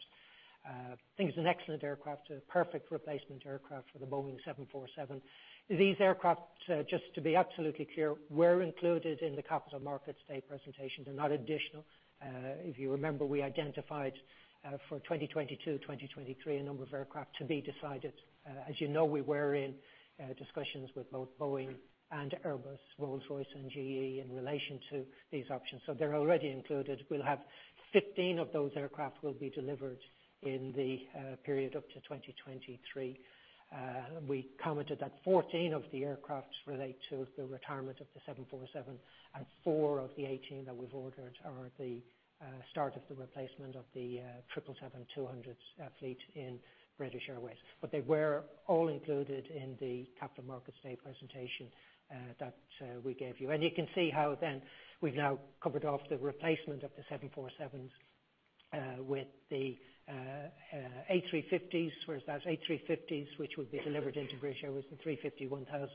Think it is an excellent aircraft, a perfect replacement aircraft for the Boeing 747. These aircraft, just to be absolutely clear, were included in the Capital Markets Day presentation. They are not additional. If you remember, we identified for 2022-2023 a number of aircraft to be decided. As you know, we were in discussions with both Boeing and Airbus, Rolls-Royce and GE in relation to these options. They're already included. We'll have 15 of those aircraft will be delivered in the period up to 2023. We commented that 14 of the aircraft relate to the retirement of the 747, and four of the 18 that we've ordered are the start of the replacement of the Boeing 777-200 fleet in British Airways. They were all included in the Capital Markets Day presentation that we gave you. You can see how we've now covered off the replacement of the 747s with the A350s. Whereas those A350s, which would be delivered into British Airways, the A350-1000.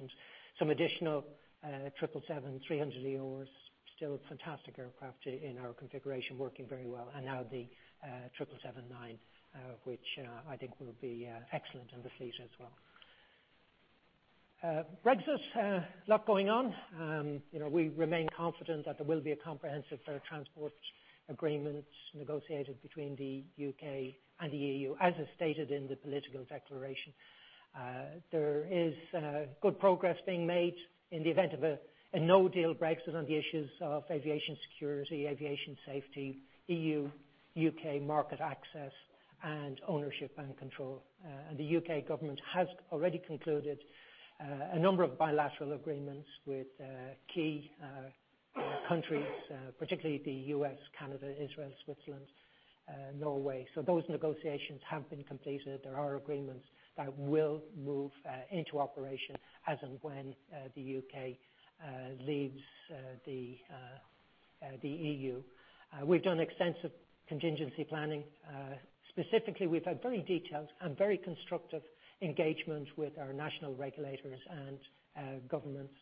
Some additional 777-300ERs. Still fantastic aircraft in our configuration, working very well. Now the 777-9, which I think will be excellent in the fleet as well. Brexit. A lot going on. We remain confident that there will be a comprehensive air transport agreement negotiated between the U.K. and the EU, as is stated in the political declaration. There is good progress being made in the event of a no-deal Brexit on the issues of aviation security, aviation safety, EU-U.K. market access, and ownership and control. The U.K. government has already concluded a number of bilateral agreements with key countries, particularly the U.S., Canada, Israel, Switzerland, Norway. Those negotiations have been completed. There are agreements that will move into operation as and when the U.K. leaves the EU. We've done extensive contingency planning. Specifically, we've had very detailed and very constructive engagement with our national regulators and governments,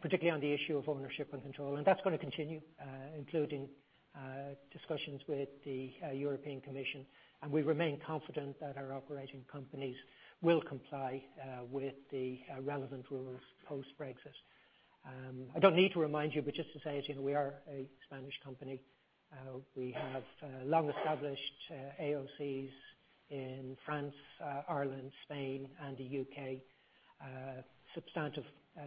particularly on the issue of ownership and control. That's going to continue, including discussions with the European Commission. We remain confident that our operating companies will comply with the relevant rules post-Brexit. I don't need to remind you, but just to say it, we are a Spanish company. We have long established AOCs in France, Ireland, Spain, and the U.K., substantive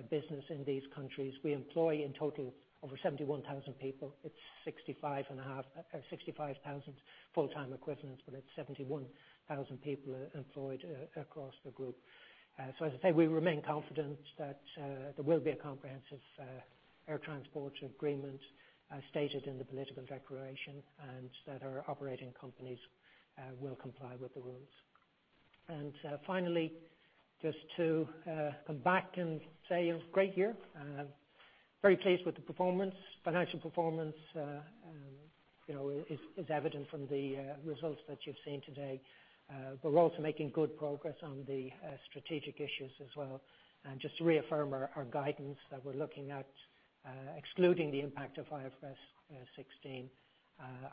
business in these countries. We employ, in total, over 71,000 people. It's 65,000 full-time equivalents, but it's 71,000 people employed across the group. As I say, we remain confident that there will be a comprehensive air transport agreement as stated in the political declaration, and that our operating companies will comply with the rules. Finally, just to come back and say it was a great year. Very pleased with the performance. Financial performance is evident from the results that you've seen today. We're also making good progress on the strategic issues as well. Just to reaffirm our guidance that we're looking at, excluding the impact of IFRS 16,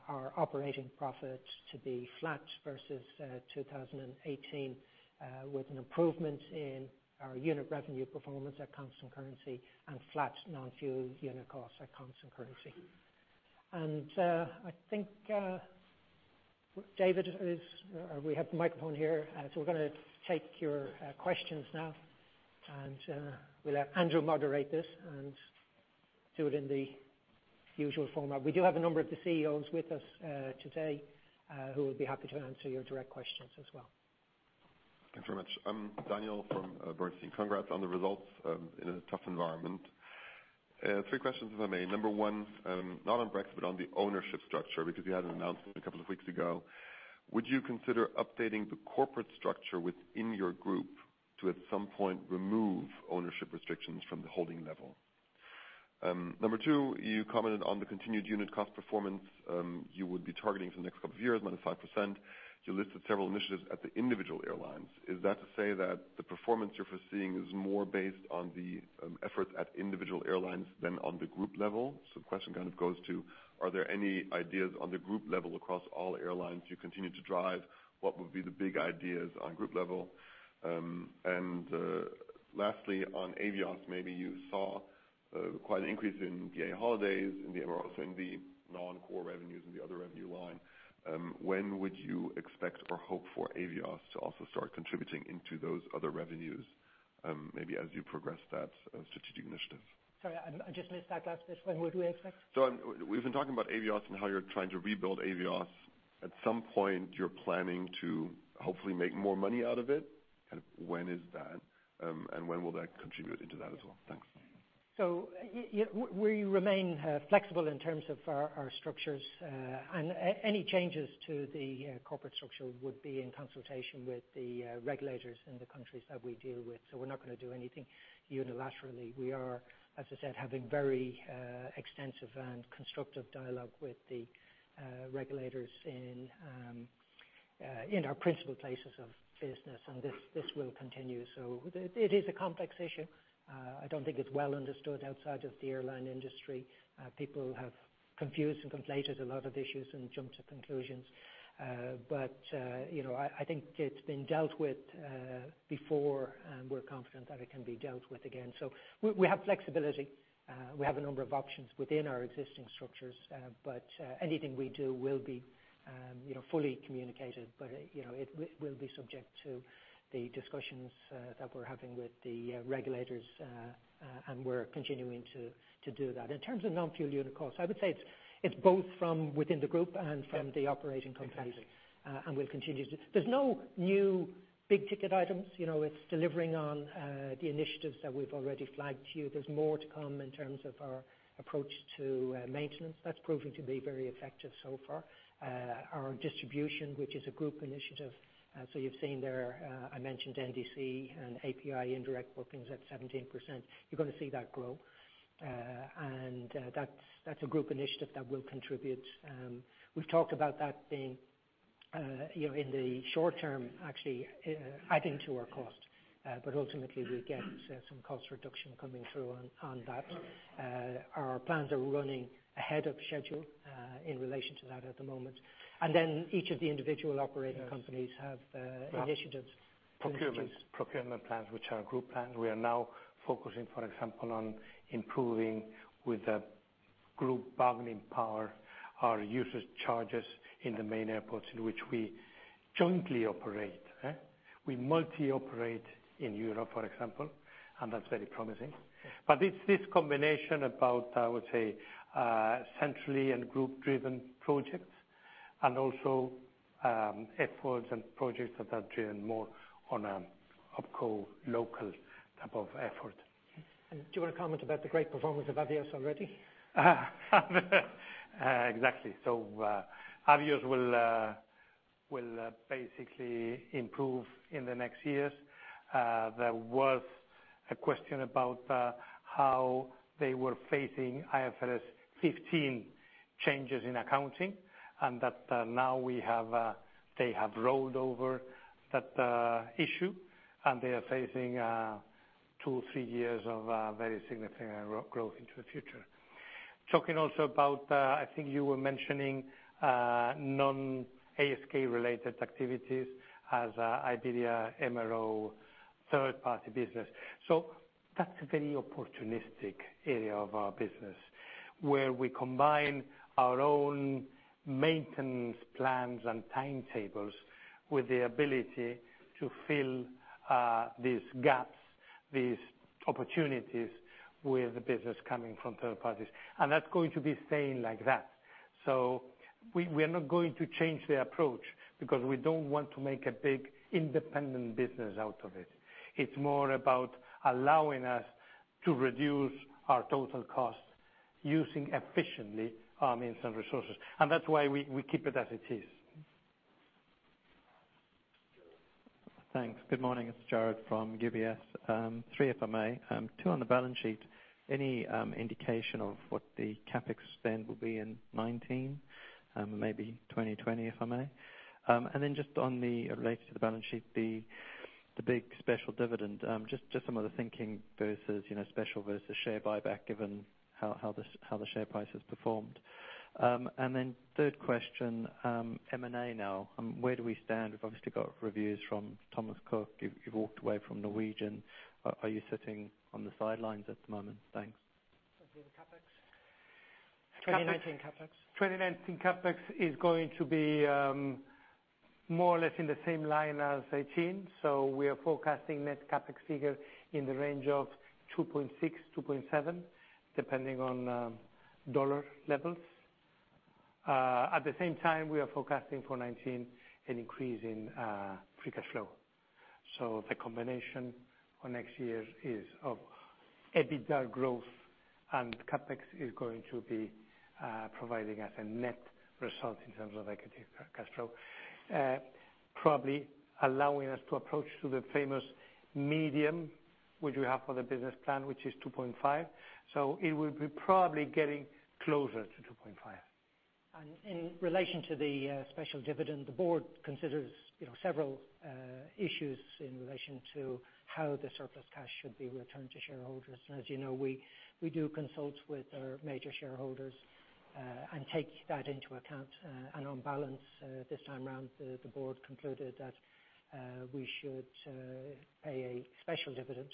our operating profits to be flat versus 2018, with an improvement in our unit revenue performance at constant currency and flat non-fuel unit cost at constant currency. I think David or we have the microphone here. We're going to take your questions now, and we'll have Andrew moderate this and do it in the usual format. We do have a number of the CEOs with us today who would be happy to answer your direct questions as well. Thanks very much. I'm Daniel from Bernstein. Congrats on the results in a tough environment. Three questions if I may. Number one, not on Brexit, on the ownership structure, because you had an announcement a couple of weeks ago. Would you consider updating the corporate structure within your group to at some point remove ownership restrictions from the holding level? Number two, you commented on the continued unit cost performance you're targeting for the next couple of years, minus 5%. You listed several initiatives at the individual airlines. Is that to say that the performance you're foreseeing is more based on the efforts at individual airlines than on the group level? The question kind of goes to, are there any ideas on the group level across all airlines you continue to drive? What would be the big ideas on group level? Lastly, on Avios, maybe you saw quite an increase in BA Holidays and also in the non-core revenues in the other revenue line. When would you expect or hope for Avios to also start contributing into those other revenues, maybe as you progress that strategic initiative? Sorry, I just missed that last bit. When would we expect? We've been talking about Avios and how you're trying to rebuild Avios. At some point, you're planning to hopefully make more money out of it. When is that, and when will that contribute into that as well? Thanks. We remain flexible in terms of our structures. Any changes to the corporate structure would be in consultation with the regulators in the countries that we deal with. We're not going to do anything unilaterally. We are, as I said, having very extensive and constructive dialogue with the regulators in our principal places of business, and this will continue. It is a complex issue. I don't think it's well understood outside of the airline industry. People have confused and conflated a lot of issues and jumped to conclusions. I think it's been dealt with before, and we're confident that it can be dealt with again. We have flexibility. We have a number of options within our existing structures, but anything we do will be fully communicated. It will be subject to the discussions that we're having with the regulators, and we're continuing to do that. In terms of non-fuel unit costs, I would say it's both from within the group and from the operating companies. Exactly. We'll continue to. There's no new big-ticket items. It's delivering on the initiatives that we've already flagged to you. There's more to come in terms of our approach to maintenance. That's proving to be very effective so far. Our distribution, which is a group initiative. You've seen there, I mentioned NDC and API indirect bookings at 17%. You're going to see that grow. That's a group initiative that will contribute. We've talked about that being in the short term, actually adding to our cost. Ultimately, we get some cost reduction coming through on that. Our plans are running ahead of schedule in relation to that at the moment. Then each of the individual operating companies have initiatives. Procurement plans, which are group plans. We are now focusing, for example, on improving with a group bargaining power, our usage charges in the main airports in which we jointly operate. We multi operate in Europe, for example, and that's very promising. It's this combination about, I would say, centrally and group driven projects and also efforts and projects that are driven more on an opco local type of effort. Do you want to comment about the great performance of Avios already? Exactly. Avios will basically improve in the next years. There was a question about how they were facing IFRS 15 changes in accounting, and that now they have rolled over that issue, and they are facing two, three years of very significant growth into the future. Talking also about, I think you were mentioning non-ASK related activities as Iberia Maintenance third party business. That's a very opportunistic area of our business, where we combine our own maintenance plans and timetables with the ability to fill these gaps, these opportunities with business coming from third parties. That's going to be staying like that. We are not going to change the approach because we don't want to make a big independent business out of it. It's more about allowing us to reduce our total costs using efficiently our means and resources. That's why we keep it as it is. Thanks. Good morning. It's Jarrod from UBS. Three, if I may. Two on the balance sheet. Any indication of what the CapEx spend will be in 2019, maybe 2020, if I may? Just on the, related to the balance sheet, the big special dividend, just some of the thinking versus special versus share buyback given how the share price has performed. Third question, M&A now. Where do we stand? We've obviously got reviews from Thomas Cook. You've walked away from Norwegian. Are you sitting on the sidelines at the moment? Thanks. Do you have the CapEx? 2019 CapEx. 2019 CapEx is going to be more or less in the same line as 2018. We are forecasting net CapEx figure in the range of 2.6, 2.7, depending on USD levels. At the same time, we are forecasting for 2019 an increase in free cash flow. The combination for next year is of EBITDA growth and CapEx is going to be providing us a net result in terms of negative cash flow. Probably allowing us to approach to the famous medium, which we have for the business plan, which is 2.5. It will be probably getting closer to 2.5. In relation to the special dividend, the board considers several issues in relation to how the surplus cash should be returned to shareholders. As you know, we do consult with our major shareholders, and take that into account. On balance, this time around, the board concluded that we should pay a special dividend,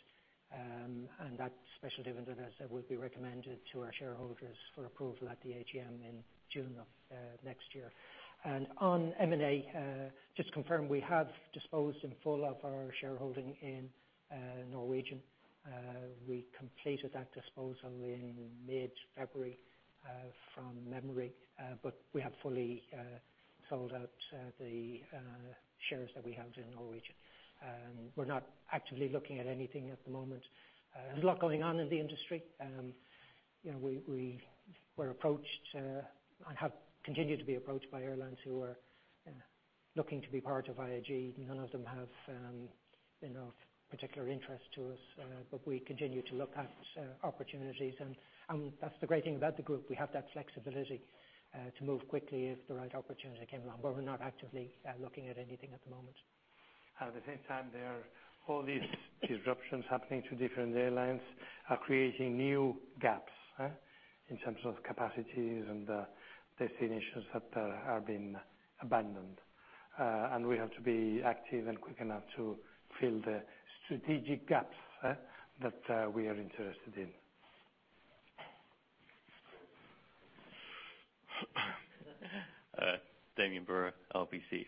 and that special dividend, as I said, will be recommended to our shareholders for approval at the AGM in June of next year. On M&A, just to confirm, we have disposed in full of our shareholding in Norwegian. We completed that disposal in mid-February, from memory. We have fully sold out the shares that we held in Norwegian. We're not actively looking at anything at the moment. There's a lot going on in the industry. We were approached, and have continued to be approached by airlines who are looking to be part of IAG. None of them have been of particular interest to us. We continue to look at opportunities, and that's the great thing about the group. We have that flexibility to move quickly if the right opportunity came along. We're not actively looking at anything at the moment. At the same time, there are all these disruptions happening to different airlines, are creating new gaps in terms of capacities and destinations that are being abandoned. We have to be active and quick enough to fill the strategic gaps that we are interested in. Damian Brewer, RBC.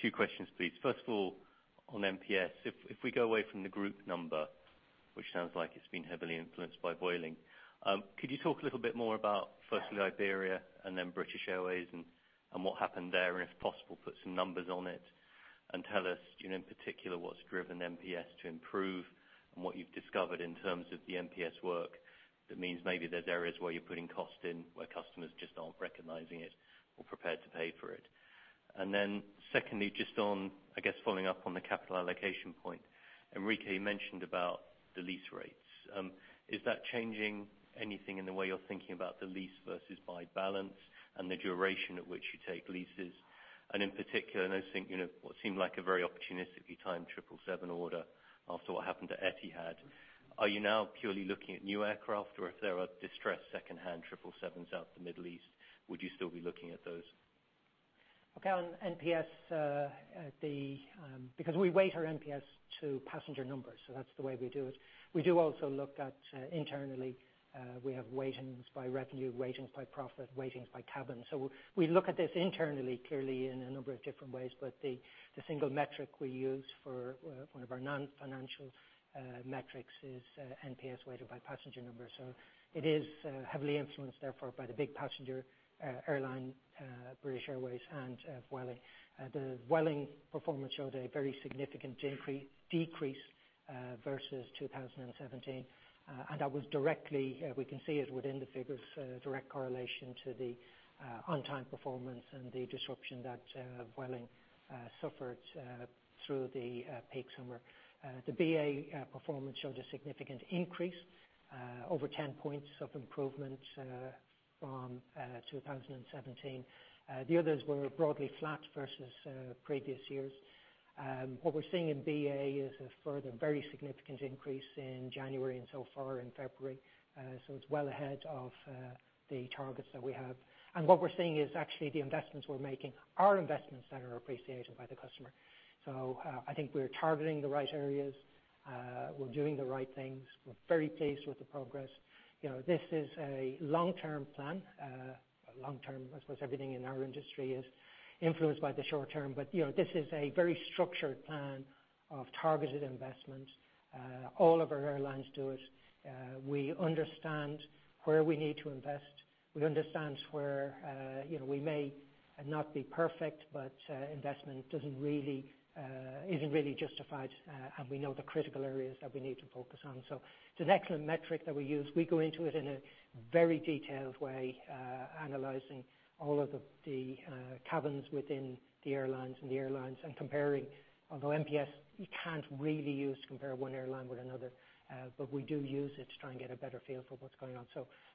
Two questions, please. First of all, on NPS, if we go away from the group number, which sounds like it's been heavily influenced by Vueling. Could you talk a little bit more about, firstly, Iberia and then British Airways and what happened there, and if possible, put some numbers on it and tell us in particular what's driven NPS to improve and what you've discovered in terms of the NPS work that means maybe there's areas where you're putting cost in where customers just aren't recognizing it or prepared to pay for it. Secondly, just on, I guess following up on the capital allocation point. Enrique, you mentioned about the lease rates. Is that changing anything in the way you're thinking about the lease versus buy balance and the duration at which you take leases? In particular, I know what seemed like a very opportunistically timed 777 order after what happened to Etihad. Are you now purely looking at new aircraft, or if there are distressed secondhand 777s out in the Middle East, would you still be looking at those? Okay. On NPS, because we weight our NPS to passenger numbers, that's the way we do it. We do also look at internally, we have weightings by revenue, weightings by profit, weightings by cabin. We look at this internally, clearly in a number of different ways, but the single metric we use for one of our non-financial metrics is NPS weighted by passenger numbers. It is heavily influenced therefore by the big passenger airline, British Airways and Vueling. The Vueling performance showed a very significant decrease versus 2017. That was directly, we can see it within the figures, direct correlation to the on-time performance and the disruption that Vueling suffered through the peak summer. The BA performance showed a significant increase, over 10 points of improvement from 2017. The others were broadly flat versus previous years. What we're seeing in BA is a further, very significant increase in January and so far in February. It's well ahead of the targets that we have. What we're seeing is actually the investments we're making are investments that are appreciated by the customer. I think we're targeting the right areas. We're doing the right things. We're very pleased with the progress. This is a long-term plan. Long-term, I suppose everything in our industry is influenced by the short term. This is a very structured plan of targeted investment. All of our airlines do it. We understand where we need to invest. We understand where we may not be perfect, but investment isn't really justified, and we know the critical areas that we need to focus on. It's an excellent metric that we use. We go into it in a very detailed way, analyzing all of the cabins within the airlines and comparing. Although NPS, you can't really use to compare one airline with another. We do use it to try and get a better feel for what's going on.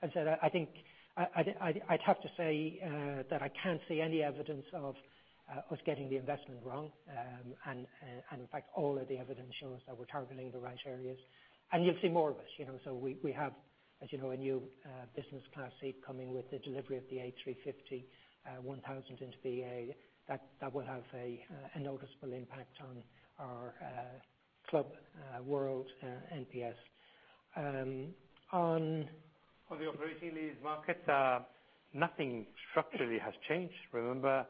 As I said, I'd have to say that I can't see any evidence of us getting the investment wrong. In fact, all of the evidence shows that we're targeting the right areas. You'll see more of it. We have, as you know, a new business class seat coming with the delivery of the A350-1000 into BA. That will have a noticeable impact on our Club World NPS. On the operating lease market, nothing structurally has changed. Remember,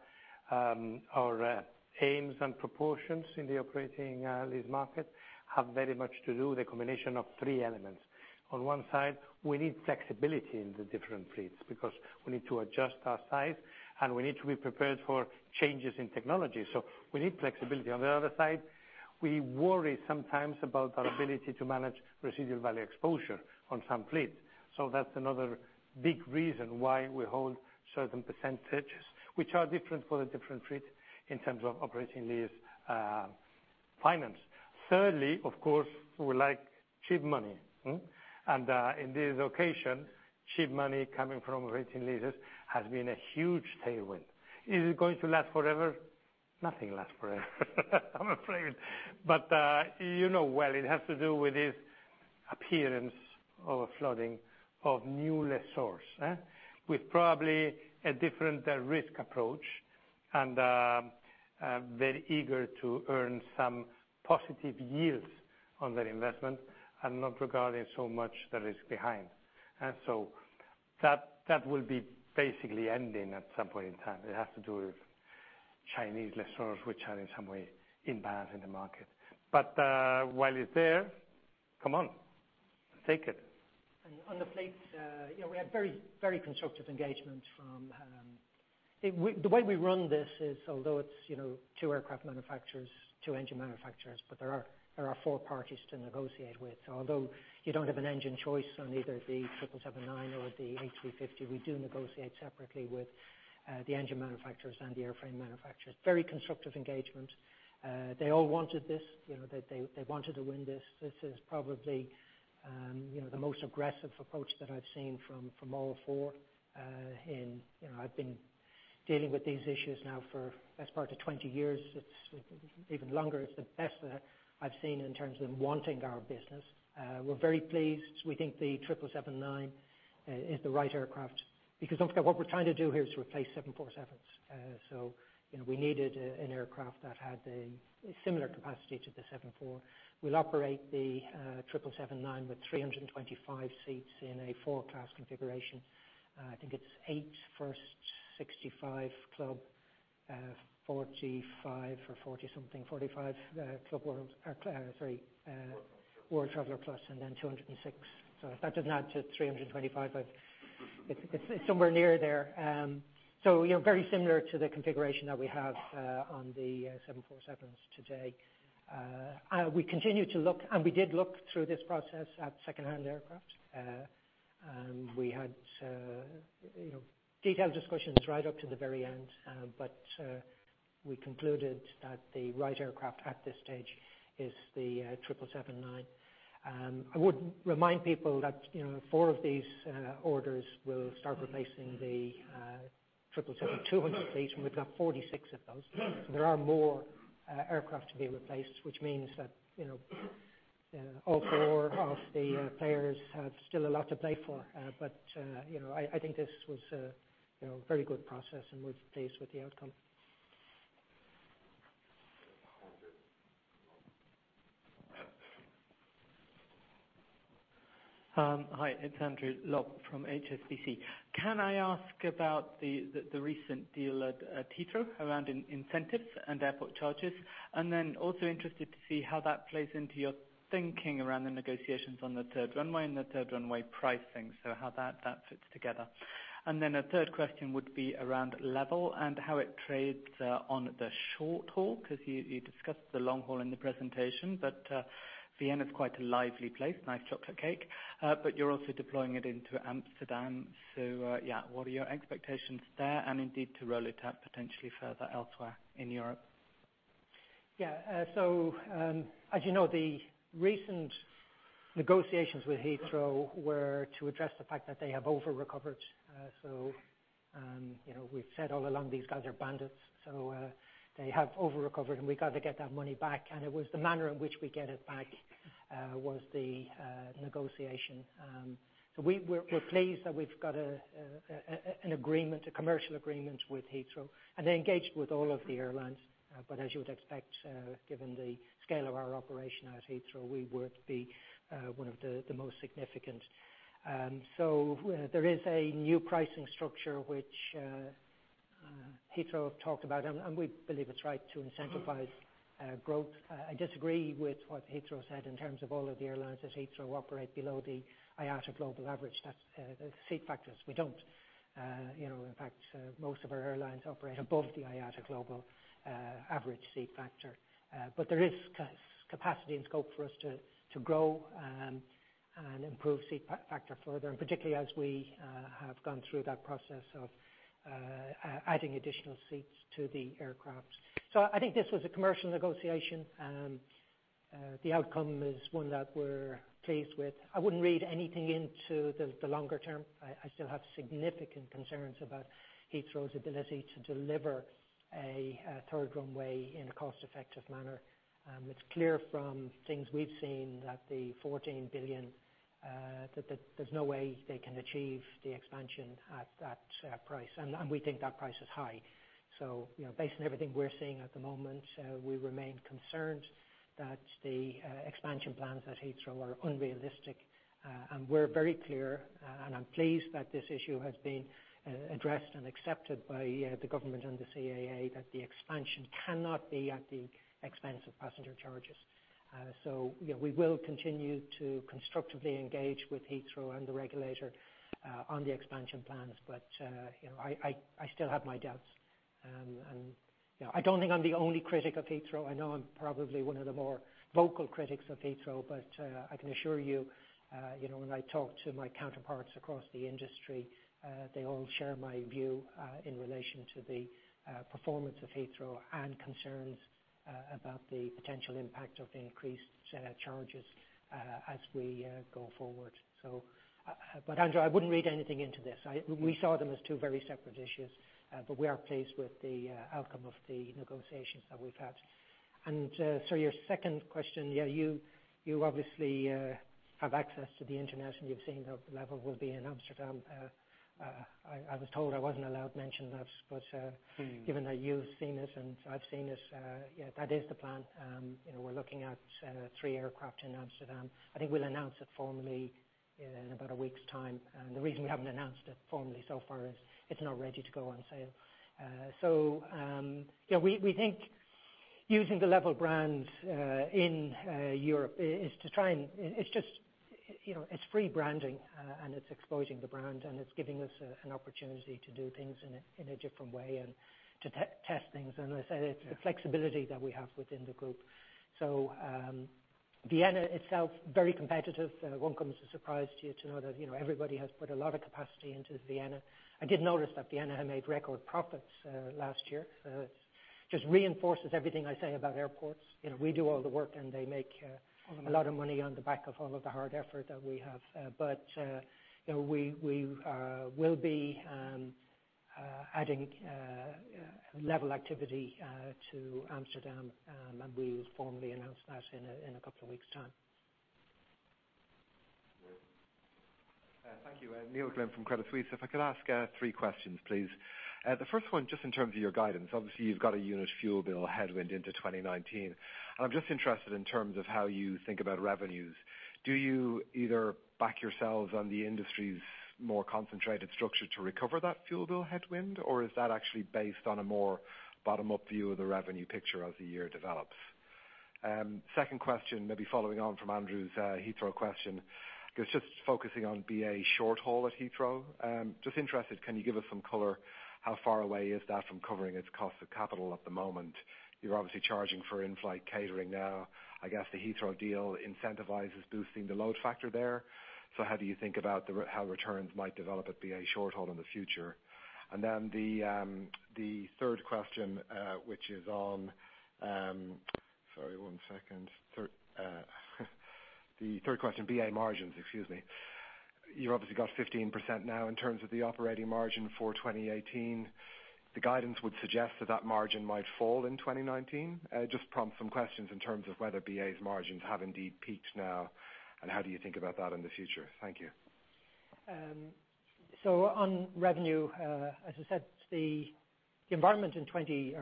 our aims and proportions in the operating lease market have very much to do with the combination of three elements. On one side, we need flexibility in the different fleets because we need to adjust our size, and we need to be prepared for changes in technology. We need flexibility. On the other side, we worry sometimes about our ability to manage residual value exposure on some fleets. That's another big reason why we hold certain percentages, which are different for the different fleets in terms of operating lease finance. Thirdly, of course, we like cheap money. In this occasion, cheap money coming from operating leases has been a huge tailwind. Is it going to last forever? Nothing lasts forever, I'm afraid. You know well it has to do with this appearance of a flooding of new lessors, with probably a different risk approach and very eager to earn some positive yields on their investment and not regarding so much the risk behind. That will be basically ending at some point in time. It has to do with Chinese lessors, which are in some way inbound in the market. While it's there, come on, take it. On the fleet, we had very constructive engagement. The way we run this is although it is two aircraft manufacturers, two engine manufacturers, there are four parties to negotiate with. Although you do not have an engine choice on either the 777-9 or the A350, we do negotiate separately with the engine manufacturers and the airframe manufacturers. Very constructive engagement. They all wanted this. They wanted to win this. This is probably the most aggressive approach that I have seen from all four. I have been dealing with these issues now for the best part of 20 years. It is even longer. It is the best I have seen in terms of them wanting our business. We are very pleased. We think the 777-9 is the right aircraft. Do not forget, what we are trying to do here is replace 747s. We needed an aircraft that had a similar capacity to the 74. We will operate the 777-9 with 325 seats in a four-class configuration. I think it is eight first, 65 Club, 45 or 40-something, World Traveller Plus, and then 206. If that does not add to 325, it is somewhere near there. Very similar to the configuration that we have on the 747s today. We continue to look, and we did look through this process at secondhand aircraft. We had detailed discussions right up to the very end. We concluded that the right aircraft at this stage is the 777-9. I would remind people that four of these orders will start replacing the 777-200 fleets, and we have got 46 of those. There are more aircraft to be replaced, which means that all four of the players have still a lot to play for. I think this was a very good process, and we are pleased with the outcome. Hi, it is Andrew Lobbenberg from HSBC. Can I ask about the recent deal at Heathrow around incentives and airport charges? Also interested to see how that plays into your thinking around the negotiations on the third runway and the third runway pricing, how that fits together. A third question would be around LEVEL and how it trades on the short haul, because you discussed the long haul in the presentation. Vienna is quite a lively place. Nice chocolate cake. You are also deploying it into Amsterdam. What are your expectations there and indeed to roll it out potentially further elsewhere in Europe? As you know, the recent negotiations with Heathrow were to address the fact that they have over recovered. We've said all along, these guys are bandits. They have over-recovered, and we've got to get that money back. It was the manner in which we get it back, was the negotiation. We're pleased that we've got a commercial agreement with Heathrow. They engaged with all of the airlines. As you would expect, given the scale of our operation at Heathrow, we would be one of the most significant. There is a new pricing structure, which Heathrow have talked about, and we believe it's right to incentivize growth. I disagree with what Heathrow said in terms of all of the airlines that Heathrow operate below the IATA global average seat factors. We don't. In fact, most of our airlines operate above the IATA global average seat factor. There is capacity and scope for us to grow and improve seat factor further, and particularly as we have gone through that process of adding additional seats to the aircraft. I think this was a commercial negotiation. The outcome is one that we're pleased with. I wouldn't read anything into the longer term. I still have significant concerns about Heathrow's ability to deliver a third runway in a cost-effective manner. It's clear from things we've seen that the 14 billion, that there's no way they can achieve the expansion at that price. We think that price is high. Based on everything we're seeing at the moment, we remain concerned that the expansion plans at Heathrow are unrealistic. We're very clear, and I'm pleased that this issue has been addressed and accepted by the government and the CAA that the expansion cannot be at the expense of passenger charges. We will continue to constructively engage with Heathrow and the regulator on the expansion plans, but I still have my doubts. I don't think I'm the only critic of Heathrow. I know I'm probably one of the more vocal critics of Heathrow, but I can assure you, when I talk to my counterparts across the industry, they all share my view in relation to the performance of Heathrow and concerns about the potential impact of the increased charges as we go forward. Andrew, I wouldn't read anything into this. We saw them as two very separate issues. We are pleased with the outcome of the negotiations that we've had. To your second question, you obviously have access to the Internet, and you've seen the LEVEL we'll be in Amsterdam. I was told I wasn't allowed to mention that, but given that you've seen it and I've seen it, that is the plan. We're looking at three aircraft in Amsterdam. I think we'll announce it formally in about a week's time. The reason we haven't announced it formally so far is it's not ready to go on sale. We think using the LEVEL brand in Europe is free branding, and it's exposing the brand, and it's giving us an opportunity to do things in a different way and to test things. As I said, it's the flexibility that we have within the group. Vienna itself, very competitive. It won't come as a surprise to you to know that everybody has put a lot of capacity into Vienna. I did notice that Vienna had made record profits last year. Just reinforces everything I say about airports. We do all the work, and they make- All the money a lot of money on the back of all of the hard effort that we have. We will be adding LEVEL activity to Amsterdam, and we will formally announce that in a couple of weeks' time. Great. Thank you. Neil Glynn from Credit Suisse. If I could ask three questions, please. The first one, just in terms of your guidance, obviously you've got a unit fuel bill headwind into 2019. I'm just interested in terms of how you think about revenues. Do you either back yourselves on the industry's more concentrated structure to recover that fuel bill headwind, or is that actually based on a more bottom-up view of the revenue picture as the year develops? Second question, maybe following on from Andrew's Heathrow question. Just focusing on BA short haul at Heathrow. Just interested, can you give us some color how far away is that from covering its cost of capital at the moment? You're obviously charging for in-flight catering now. I guess the Heathrow deal incentivizes boosting the load factor there. How do you think about how returns might develop at British Airways short haul in the future? The third question, British Airways margins. You've obviously got 15% now in terms of the operating margin for 2018. The guidance would suggest that that margin might fall in 2019. Just prompt some questions in terms of whether British Airways' margins have indeed peaked now, and how do you think about that in the future? Thank you. On revenue, as I said, the environment in 2018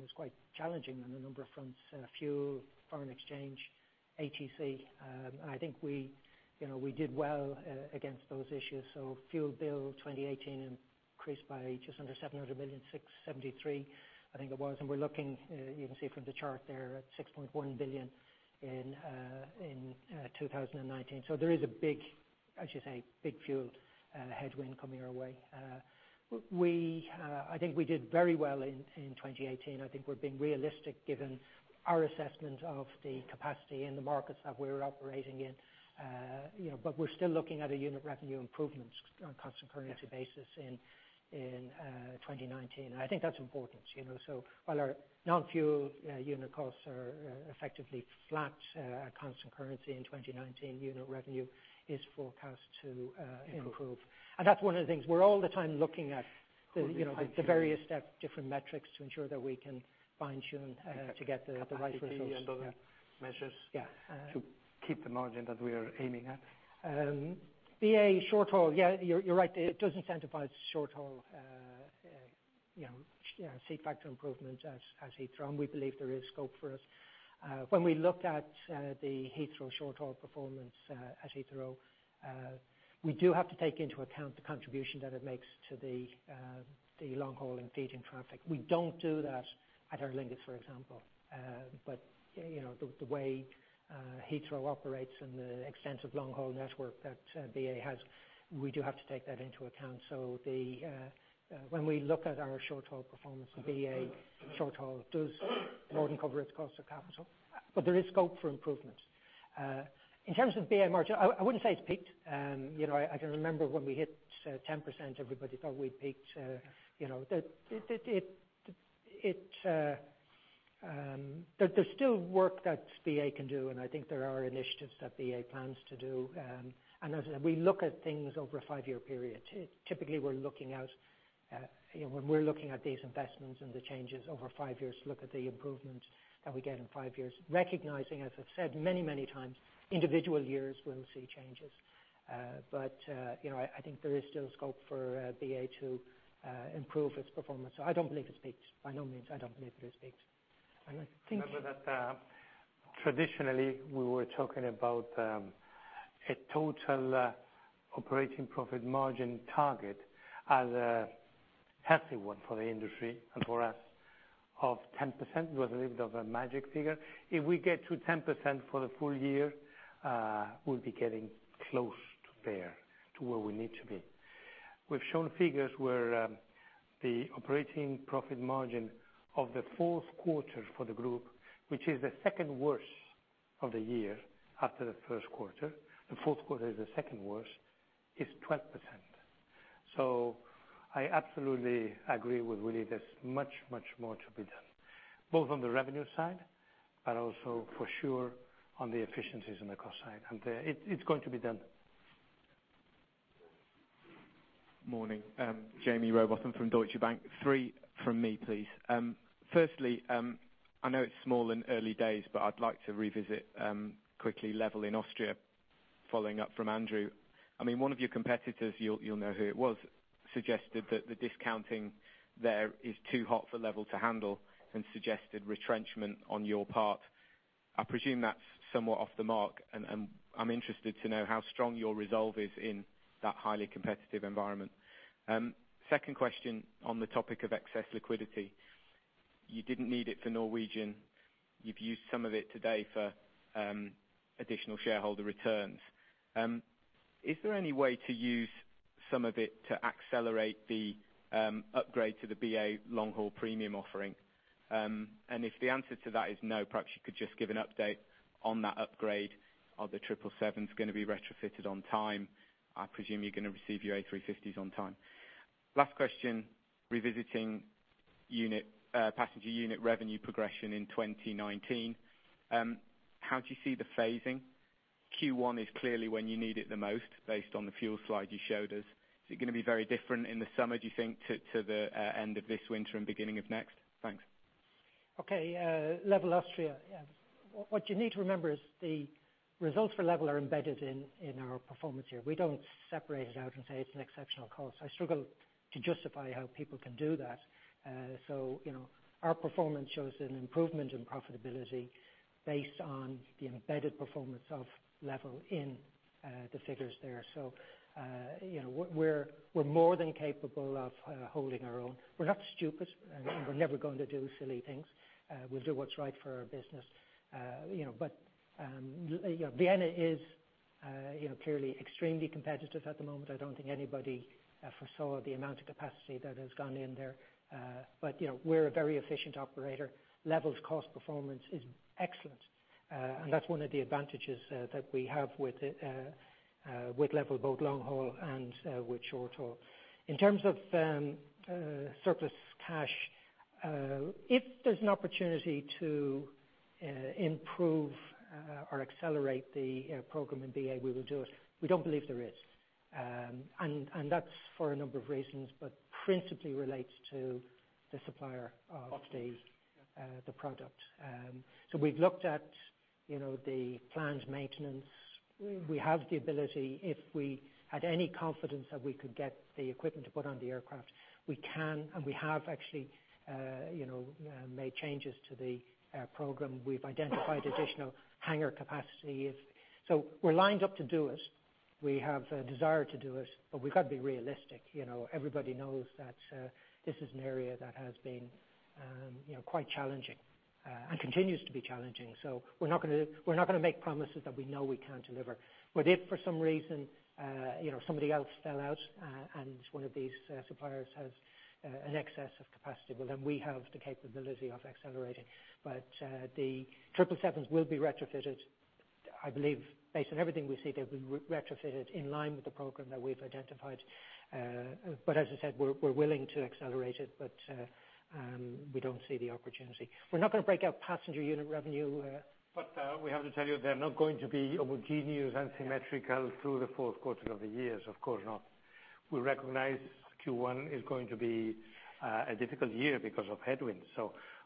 was quite challenging on a number of fronts. Fuel, foreign exchange, ATC. I think we did well against those issues. Fuel bill 2018 increased by just under 700 million, 673 million, at 6.1 billion in 2019. There is a big fuel headwind coming our way. I think we did very well in 2018. I think we're being realistic given our assessment of the capacity in the markets that we're operating in. We're still looking at a unit revenue improvement on a constant currency basis in 2019. I think that's important. While our non-fuel unit costs are effectively flat at constant currency in 2019, unit revenue is forecast to improve. Improve. That's one of the things. We're all the time looking at the various different metrics to ensure that we can fine-tune to get the right results. Capacity and other measures- Yeah to keep the margin that we are aiming at. BA short-haul. You are right. It does incentivize short-haul seat factor improvement at Heathrow, and we believe there is scope for it. When we looked at the Heathrow short-haul performance at Heathrow, we do have to take into account the contribution that it makes to the long-haul and feeding traffic. We do not do that at Aer Lingus, for example. The way Heathrow operates and the extensive long-haul network that BA has, we do have to take that into account. When we look at our short-haul performance for BA, short-haul does more than cover its cost of capital, but there is scope for improvement. In terms of BA margin, I would not say it has peaked. I can remember when we hit 10%, everybody thought we had peaked. There is still work that BA can do, and I think there are initiatives that BA plans to do. As I said, we look at things over a five-year period. Typically, when we are looking at these investments and the changes over five years, look at the improvement that we get in five years. Recognizing, as I have said many times, individual years will see changes. I think there is still scope for BA to improve its performance. I do not believe it has peaked. By no means, I do not believe it has peaked. Remember that traditionally, we were talking about a total operating profit margin target as a healthy one for the industry and for us of 10%, it was a little bit of a magic figure. If we get to 10% for the full year, we will be getting close to where we need to be. We have shown figures where the operating profit margin of the fourth quarter for the group, which is the second worst of the year after the first quarter, the fourth quarter is the second worst, is 12%. I absolutely agree with Willie, there is much more to be done, both on the revenue side, but also for sure on the efficiencies on the cost side. It is going to be done. Morning. Jaime Rowbotham from Deutsche Bank. Three from me, please. Firstly, I know it's small in early days, but I'd like to revisit quickly LEVEL in Austria, following up from Andrew. One of your competitors, you'll know who it was, suggested that the discounting there is too hot for LEVEL to handle and suggested retrenchment on your part. I presume that's somewhat off the mark, I'm interested to know how strong your resolve is in that highly competitive environment. Second question, on the topic of excess liquidity. You didn't need it for Norwegian. You've used some of it today for additional shareholder returns. Is there any way to use some of it to accelerate the upgrade to the BA long-haul premium offering? If the answer to that is no, perhaps you could just give an update on that upgrade. Are the 777s going to be retrofitted on time? I presume you're going to receive your A350s on time. Last question, revisiting passenger unit revenue progression in 2019. How do you see the phasing? Q1 is clearly when you need it the most, based on the fuel slide you showed us. Is it going to be very different in the summer, do you think, to the end of this winter and beginning of next? Thanks. Okay. LEVEL Austria. What you need to remember is the results for LEVEL are embedded in our performance here. We don't separate it out and say it's an exceptional cost. I struggle to justify how people can do that. Our performance shows an improvement in profitability based on the embedded performance of LEVEL in the figures there. We're more than capable of holding our own. We're not stupid. We're never going to do silly things. We'll do what's right for our business. Vienna is clearly extremely competitive at the moment. I don't think anybody foresaw the amount of capacity that has gone in there. We're a very efficient operator. LEVEL's cost performance is excellent. That's one of the advantages that we have with LEVEL, both long haul and with short haul. In terms of surplus cash, if there's an opportunity to improve or accelerate the program in BA, we will do it. We don't believe there is. That's for a number of reasons, but principally relates to the supplier of the- Upgrades The product. We've looked at the planned maintenance. We have the ability, if we had any confidence that we could get the equipment to put on the aircraft, we can, and we have actually made changes to the program. We've identified additional hangar capacity. We're lined up to do it. We have a desire to do it, but we've got to be realistic. Everybody knows that this is an area that has been quite challenging and continues to be challenging. We're not going to make promises that we know we can't deliver. If for some reason somebody else fell out and one of these suppliers has an excess of capacity, well, then we have the capability of accelerating. The 777s will be retrofitted. I believe based on everything we see, they'll be retrofitted in line with the program that we've identified. As I said, we're willing to accelerate it, but we don't see the opportunity. We're not going to break out passenger unit revenue. We have to tell you, they're not going to be homogeneous and symmetrical through the fourth quarter of the year. Of course not. We recognize Q1 is going to be a difficult year because of headwinds.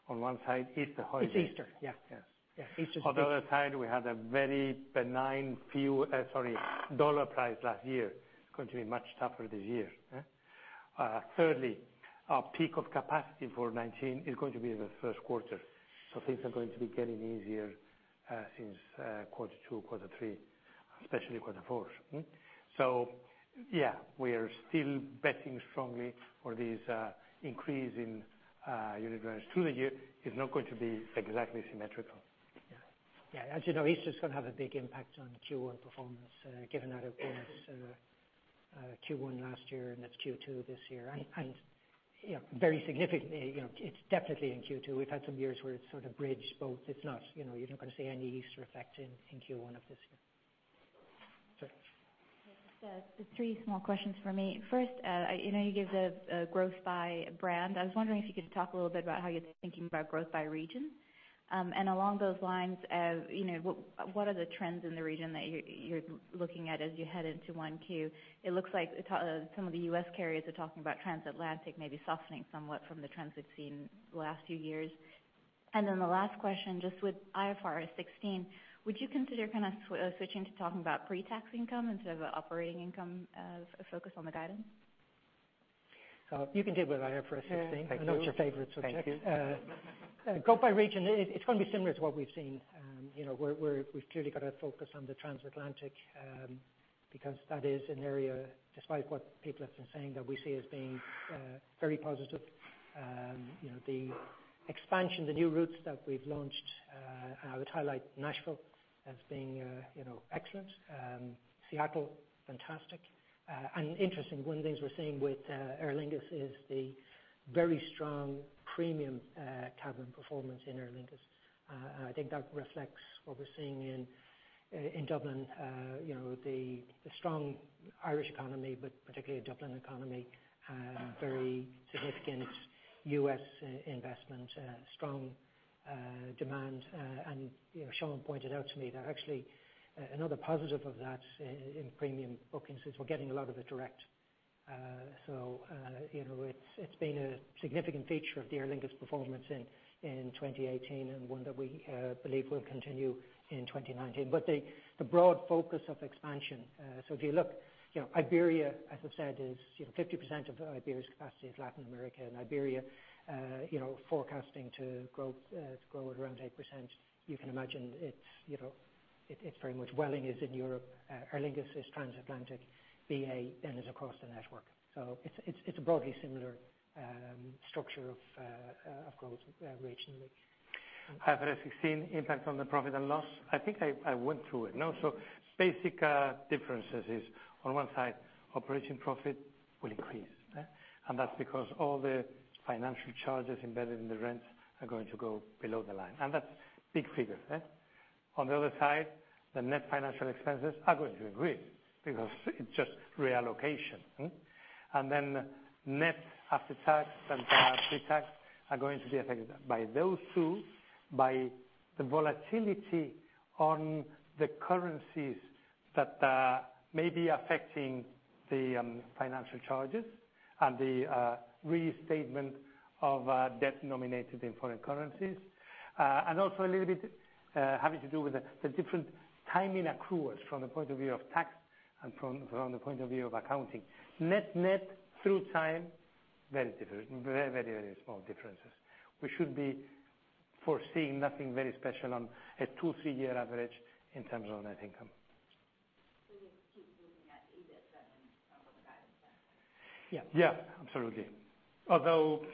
On one side, it's the holiday. It's Easter. Yeah. Yes. Yeah. On the other side, we had a very benign dollar price last year. It's going to be much tougher this year. Thirdly, our peak of capacity for 2019 is going to be in the first quarter. Things are going to be getting easier since quarter two, quarter three, especially quarter four. Yeah, we are still betting strongly for this increase in unit revenue through the year. It's not going to be exactly symmetrical. Yeah. As you know, Easter's going to have a big impact on Q1 performance, given that it was Q1 last year, and it's Q2 this year. Very significantly, it's definitely in Q2. We've had some years where it's sort of bridged both. You're not going to see any Easter effect in Q1 of this year. Sure. Just three small questions from me. First, I know you gave the growth by brand. I was wondering if you could talk a little bit about how you're thinking about growth by region. Along those lines, what are the trends in the region that you're looking at as you head into 1Q? It looks like some of the U.S. carriers are talking about transatlantic maybe softening somewhat from the trends we've seen the last few years. Then the last question, just with IFRS 16, would you consider switching to talking about pre-tax income instead of operating income as a focus on the guidance? You can deal with IFRS 16. Yeah. Thank you. I know it's your favorite subject. Thank you. Growth by region, it's going to be similar to what we've seen. We've clearly got to focus on the transatlantic, because that is an area, despite what people have been saying, that we see as being very positive. The expansion, the new routes that we've launched, I would highlight Nashville as being excellent. Seattle, fantastic. Interesting, one of the things we're seeing with Aer Lingus is the very strong premium cabin performance in Aer Lingus. I think that reflects what we're seeing in Dublin. The strong Irish economy, but particularly Dublin economy, very significant U.S. investment, strong demand. Sean pointed out to me that actually another positive of that in premium bookings is we're getting a lot of it direct. It's been a significant feature of the Aer Lingus performance in 2018 and one that we believe will continue in 2019. The broad focus of expansion. If you look, Iberia, as I've said, 50% of Iberia's capacity is Latin America, Iberia forecasting to grow at around 8%. You can imagine it's very much Vueling is in Europe, Aer Lingus is transatlantic, BA is across the network. It's a broadly similar structure of growth regionally. IFRS 16 impact on the profit and loss. I think I went through it. Basic differences is on one side, operating profit will increase. That's because all the financial charges embedded in the rents are going to go below the line. That's big figures. On the other side, the net financial expenses are going to increase because it's just reallocation. Net after tax and pre-tax are going to be affected by those two, by the volatility on the currencies that are maybe affecting the financial charges and the restatement of debt nominated in foreign currencies. Also a little bit having to do with the different timing accruals from the point of view of tax and from the point of view of accounting. Net net, through time, very different. Very small differences. We should be foreseeing nothing very special on a two, three-year average in terms of net income. You'll keep looking at the EBIT and some of the guidance then? Yeah. Yeah. Absolutely. Although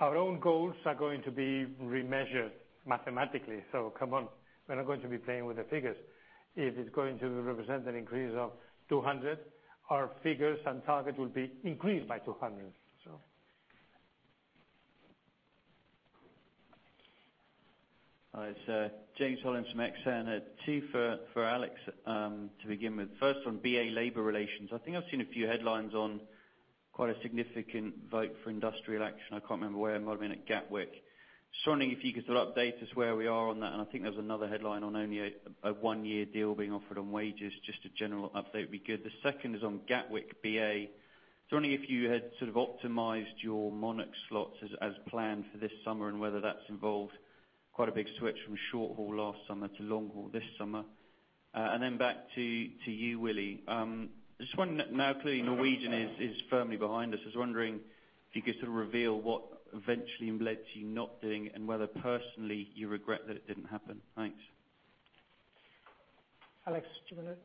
our own goals are going to be remeasured mathematically. Come on, we're not going to be playing with the figures. If it's going to represent an increase of 200, our figures and target will be increased by 200. It's James Hollins from Exane. Two for Álex to begin with. First on BA labor relations. I think I've seen a few headlines on quite a significant vote for industrial action. I can't remember where. It might've been at Gatwick. Just wondering if you could update us where we are on that. I think there was another headline on only a one-year deal being offered on wages. Just a general update would be good. The second is on Gatwick BA. Just wondering if you had optimized your Monarch slots as planned for this summer, and whether that's involved quite a big switch from short haul last summer to long haul this summer. Then back to you, Willie. Just wondering, now clearly Norwegian is firmly behind us. I was wondering if you could reveal what eventually led to you not doing it and whether personally you regret that it didn't happen. Thanks. Alex, do you want to?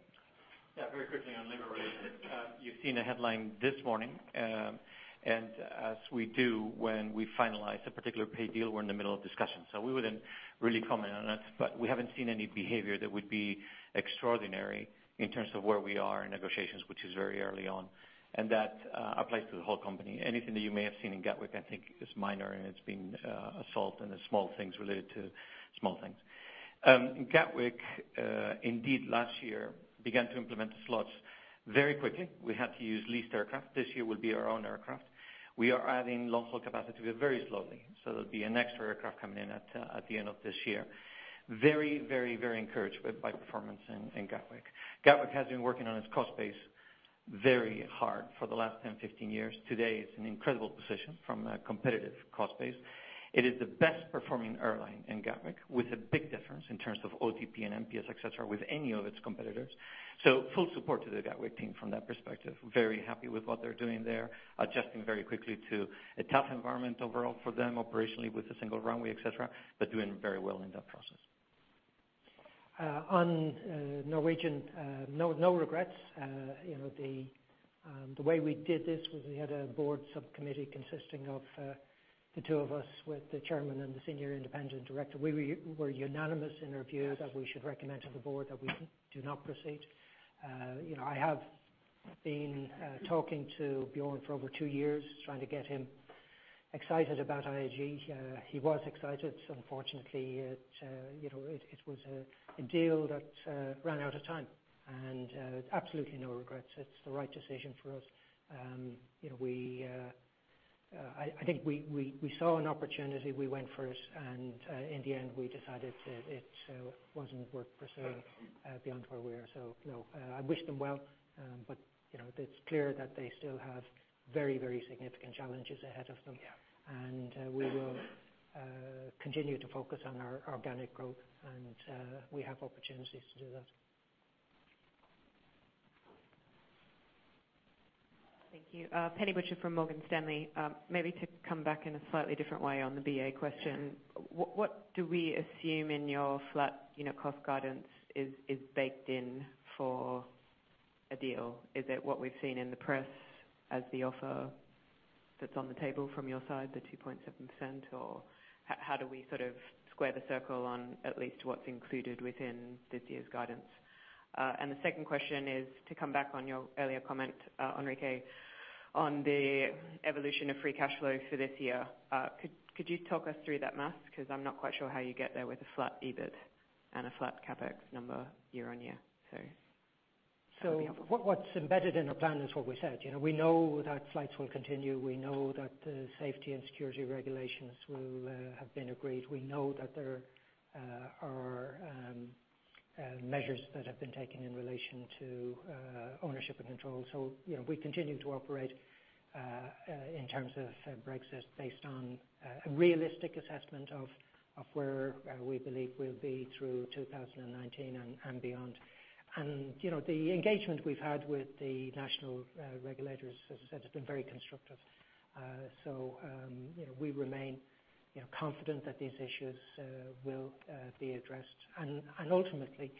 Yeah, very quickly on labor relations. You've seen a headline this morning. As we do when we finalize a particular pay deal, we're in the middle of discussions. We wouldn't really comment on it. We haven't seen any behavior that would be extraordinary in terms of where we are in negotiations, which is very early on. That applies to the whole company. Anything that you may have seen in Gatwick, I think is minor and it's been [inaudible] and small things related to small things. In Gatwick, indeed last year, we began to implement the slots very quickly. We had to use leased aircraft. This year will be our own aircraft. We are adding long-haul capacity very slowly. There'll be an extra aircraft coming in at the end of this year. Very encouraged by performance in Gatwick. Gatwick has been working on its cost base very hard for the last 10, 15 years. Today, it's an incredible position from a competitive cost base. It is the best performing airline in Gatwick, with a big difference in terms of OTP and NPS, et cetera, with any of its competitors. Full support to the Gatwick team from that perspective. Very happy with what they're doing there, adjusting very quickly to a tough environment overall for them operationally with the single runway, et cetera, but doing very well in that process. On Norwegian, no regrets. The way we did this was we had a board subcommittee consisting of the two of us with the Chairman and the Senior Independent Director. We were unanimous in our view that we should recommend to the board that we do not proceed. I have been talking to Bjorn for over two years, trying to get him excited about IAG. He was excited. Unfortunately, it was a deal that ran out of time and absolutely no regrets. It's the right decision for us. I think we saw an opportunity, we went for it, and in the end, we decided that it wasn't worth pursuing beyond where we are. No. I wish them well. It's clear that they still have very significant challenges ahead of them. Yeah. We will continue to focus on our organic growth, and we have opportunities to do that. Thank you. Penny Butcher from Morgan Stanley. Maybe to come back in a slightly different way on the BA question. What do we assume in your flat cost guidance is baked in for a deal? Is it what we've seen in the press as the offer that's on the table from your side, the 2.7%? How do we square the circle on at least what's included within this year's guidance? The second question is to come back on your earlier comment, Enrique, on the evolution of free cash flow for this year. Could you talk us through that math? Because I'm not quite sure how you get there with a flat EBIT and a flat CapEx number year-on-year. That'd be helpful. What's embedded in our plan is what we said. We know that flights will continue. We know that the safety and security regulations will have been agreed. We know that there are measures that have been taken in relation to ownership and control. We continue to operate in terms of Brexit based on a realistic assessment of where we believe we'll be through 2019 and beyond. The engagement we've had with the national regulators, as I said, has been very constructive. We remain confident that these issues will be addressed. Ultimately,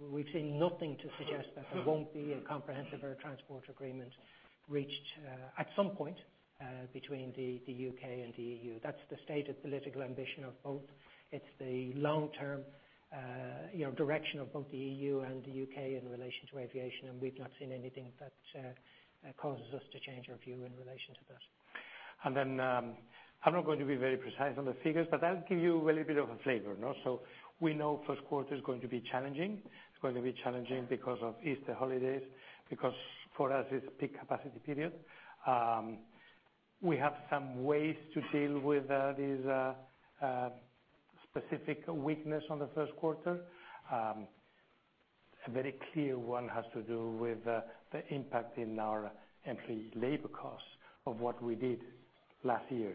we've seen nothing to suggest that there won't be a comprehensive air transport agreement reached at some point between the U.K. and the EU. That's the stated political ambition of both. It's the long-term direction of both the EU and the U.K. in relation to aviation, we've not seen anything that causes us to change our view in relation to that. I'm not going to be very precise on the figures, but I'll give you a little bit of a flavor. We know first quarter is going to be challenging. It's going to be challenging because of Easter holidays, because for us it's a peak capacity period. We have some ways to deal with these specific weakness on the first quarter. A very clear one has to do with the impact in our employee labor costs of what we did last year,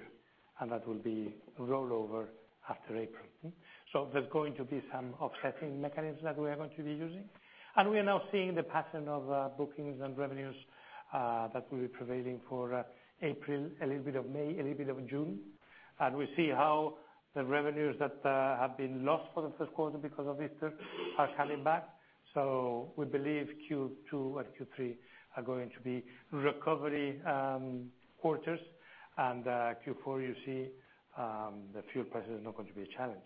and that will be rollover after April. There's going to be some offsetting mechanisms that we are going to be using, and we are now seeing the pattern of bookings and revenues that will be prevailing for April, a little bit of May, a little bit of June. We see how the revenues that have been lost for the first quarter because of Easter are coming back. We believe Q2 and Q3 are going to be recovery quarters. Q4, you see the fuel price is not going to be a challenge.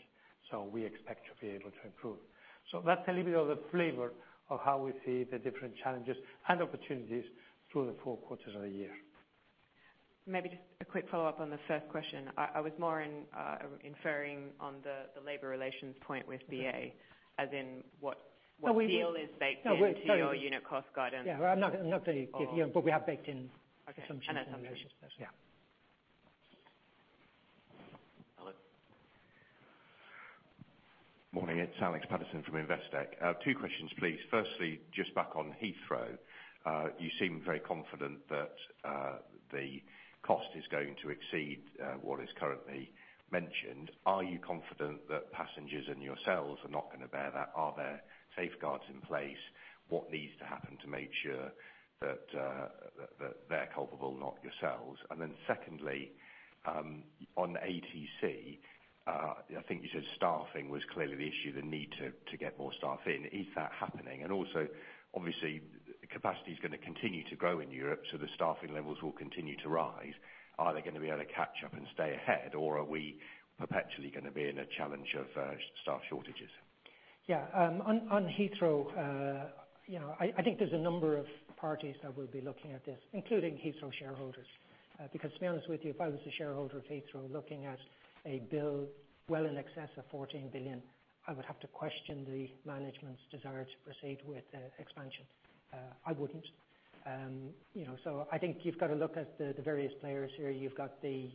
We expect to be able to improve. That's a little bit of the flavor of how we see the different challenges and opportunities through the four quarters of the year. Maybe just a quick follow-up on the first question. I was more inferring on the labor relations point with BA, as in what deal is baked into your unit cost guidance. Yeah. Well, I'm not going to give, but we have baked in assumptions. Okay. Assumptions. Yeah. Alex. Morning, it's Alex Paterson from Investec. Two questions, please. Firstly, just back on Heathrow. You seem very confident that the cost is going to exceed what is currently mentioned. Are you confident that passengers and yourselves are not going to bear that? Are there safeguards in place? What needs to happen to make sure that they're culpable, not yourselves? Secondly, on ATC, I think you said staffing was clearly the issue, the need to get more staff in. Is that happening? Also, obviously, capacity is going to continue to grow in Europe, so the staffing levels will continue to rise. Are they going to be able to catch up and stay ahead, or are we perpetually going to be in a challenge of staff shortages? Yeah. On Heathrow, I think there's a number of parties that will be looking at this, including Heathrow shareholders. Because to be honest with you, if I was a shareholder of Heathrow looking at a bill well in excess of 14 billion, I would have to question the management's desire to proceed with expansion. I think you've got to look at the various players here. You've got the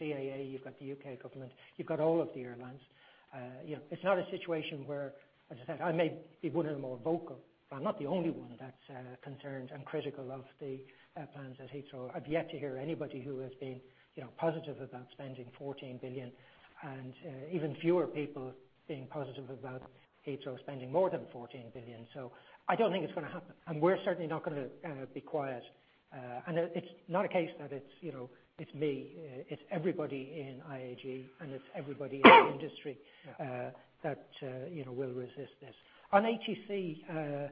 CAA, you've got the U.K. government, you've got all of the airlines. It's not a situation where, as I said, I may be one of the more vocal, but I'm not the only one that's concerned and critical of the plans at Heathrow. I've yet to hear anybody who has been positive about spending 14 billion, and even fewer people being positive about Heathrow spending more than 14 billion. I don't think it's going to happen, and we're certainly not going to be quiet. It's not a case that it's me. It's everybody in IAG, and it's everybody in the industry that will resist this. On ATC,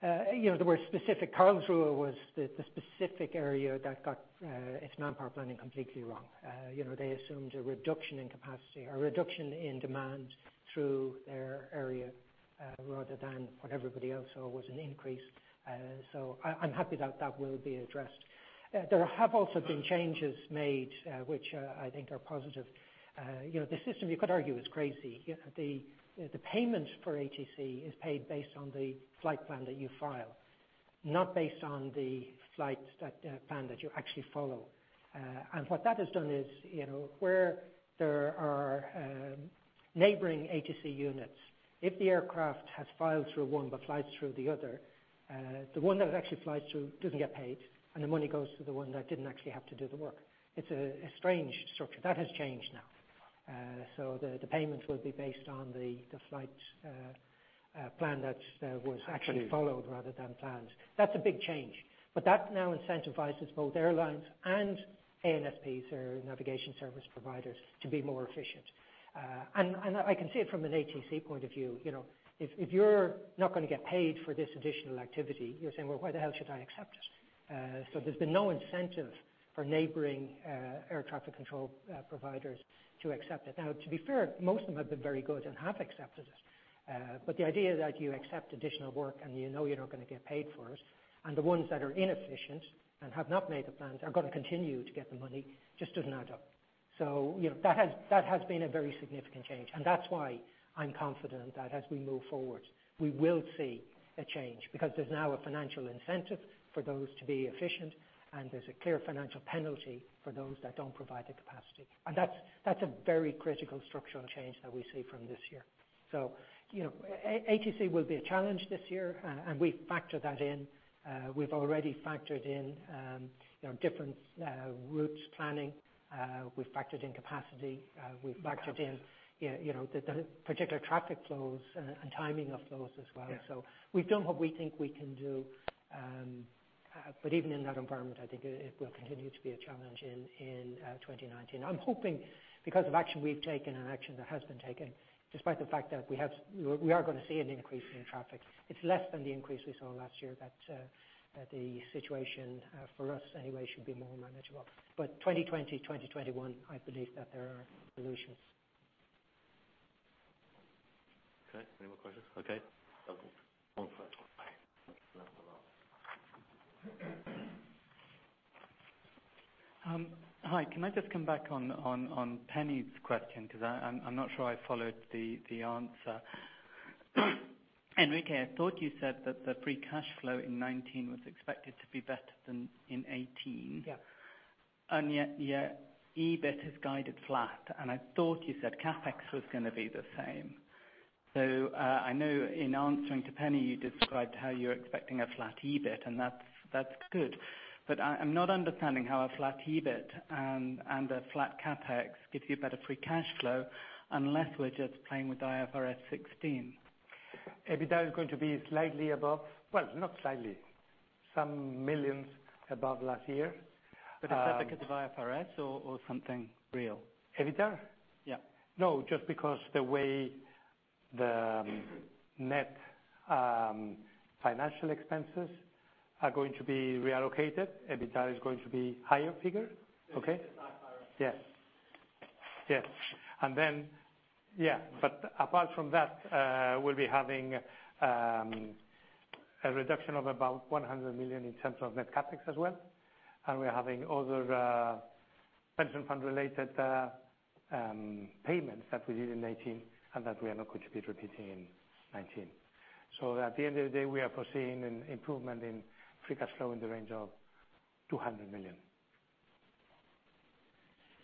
the word specific, Karlsruhe was the specific area that got its manpower planning completely wrong. They assumed a reduction in capacity or reduction in demand through their area rather than what everybody else saw was an increase. I'm happy that that will be addressed. There have also been changes made, which I think are positive. The system, you could argue, is crazy. The payment for ATC is paid based on the flight plan that you file, not based on the flight plan that you actually follow. What that has done is, where there are neighboring ATC units, if the aircraft has filed through one but flies through the other, the one that it actually flies through doesn't get paid, and the money goes to the one that didn't actually have to do the work. It's a strange structure. That has changed now. The payments will be based on the flight plan that was actually followed rather than planned. That's a big change. That now incentivizes both airlines and ANSPs or navigation service providers to be more efficient. I can see it from an ATC point of view. If you're not going to get paid for this additional activity, you're saying, "Well, why the hell should I accept it?" There's been no incentive for neighboring air traffic control providers to accept it. To be fair, most of them have been very good and have accepted it. The idea that you accept additional work and you know you're not going to get paid for it, and the ones that are inefficient and have not made the plans are going to continue to get the money just doesn't add up. That has been a very significant change, and that's why I'm confident that as we move forward, we will see a change because there's now a financial incentive for those to be efficient, and there's a clear financial penalty for those that don't provide the capacity. That's a very critical structural change that we see from this year. ATC will be a challenge this year, and we've factored that in. We've already factored in different routes planning. We've factored in capacity. We've factored in the particular traffic flows and timing of those as well. Yeah. We've done what we think we can do. Even in that environment, I think it will continue to be a challenge in 2019. I'm hoping, because of action we've taken and action that has been taken, despite the fact that we are going to see an increase in traffic, it's less than the increase we saw last year that the situation, for us anyway, should be more manageable. 2020, 2021, I believe that there are solutions. Okay. Any more questions? Okay. One second. Hi, can I just come back on Penny's question, because I'm not sure I followed the answer. Enrique, I thought you said that the free cash flow in 2019 was expected to be better than in 2018. Yeah. Yet, EBIT has guided flat, I thought you said CapEx was going to be the same. I know in answering to Penny, you described how you're expecting a flat EBIT, and that's good. I'm not understanding how a flat EBIT and a flat CapEx gives you a better free cash flow unless we're just playing with IFRS 16. EBITDA is going to be slightly above. Well, not slightly. Some millions above last year. Is that because of IFRS or something real? EBITDA? Yeah. Just because the way the net financial expenses are going to be reallocated, EBITDA is going to be higher figure. Okay? Because of IFRS. Yes. Apart from that, we'll be having a reduction of about 100 million in terms of net CapEx as well, we are having other pension fund related payments that we did in 2018, and that we are not going to be repeating in 2019. At the end of the day, we are foreseeing an improvement in free cash flow in the range of 200 million.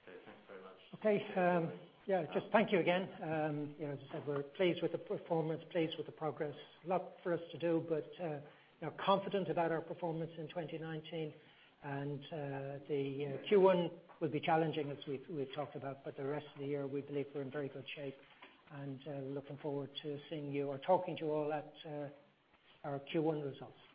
Okay. Thanks very much. Okay. Just thank you again. As I said, we're pleased with the performance, pleased with the progress. A lot for us to do, but confident about our performance in 2019. The Q1 will be challenging as we've talked about, but the rest of the year, we believe we're in very good shape, and looking forward to seeing you or talking to you all at our Q1 results.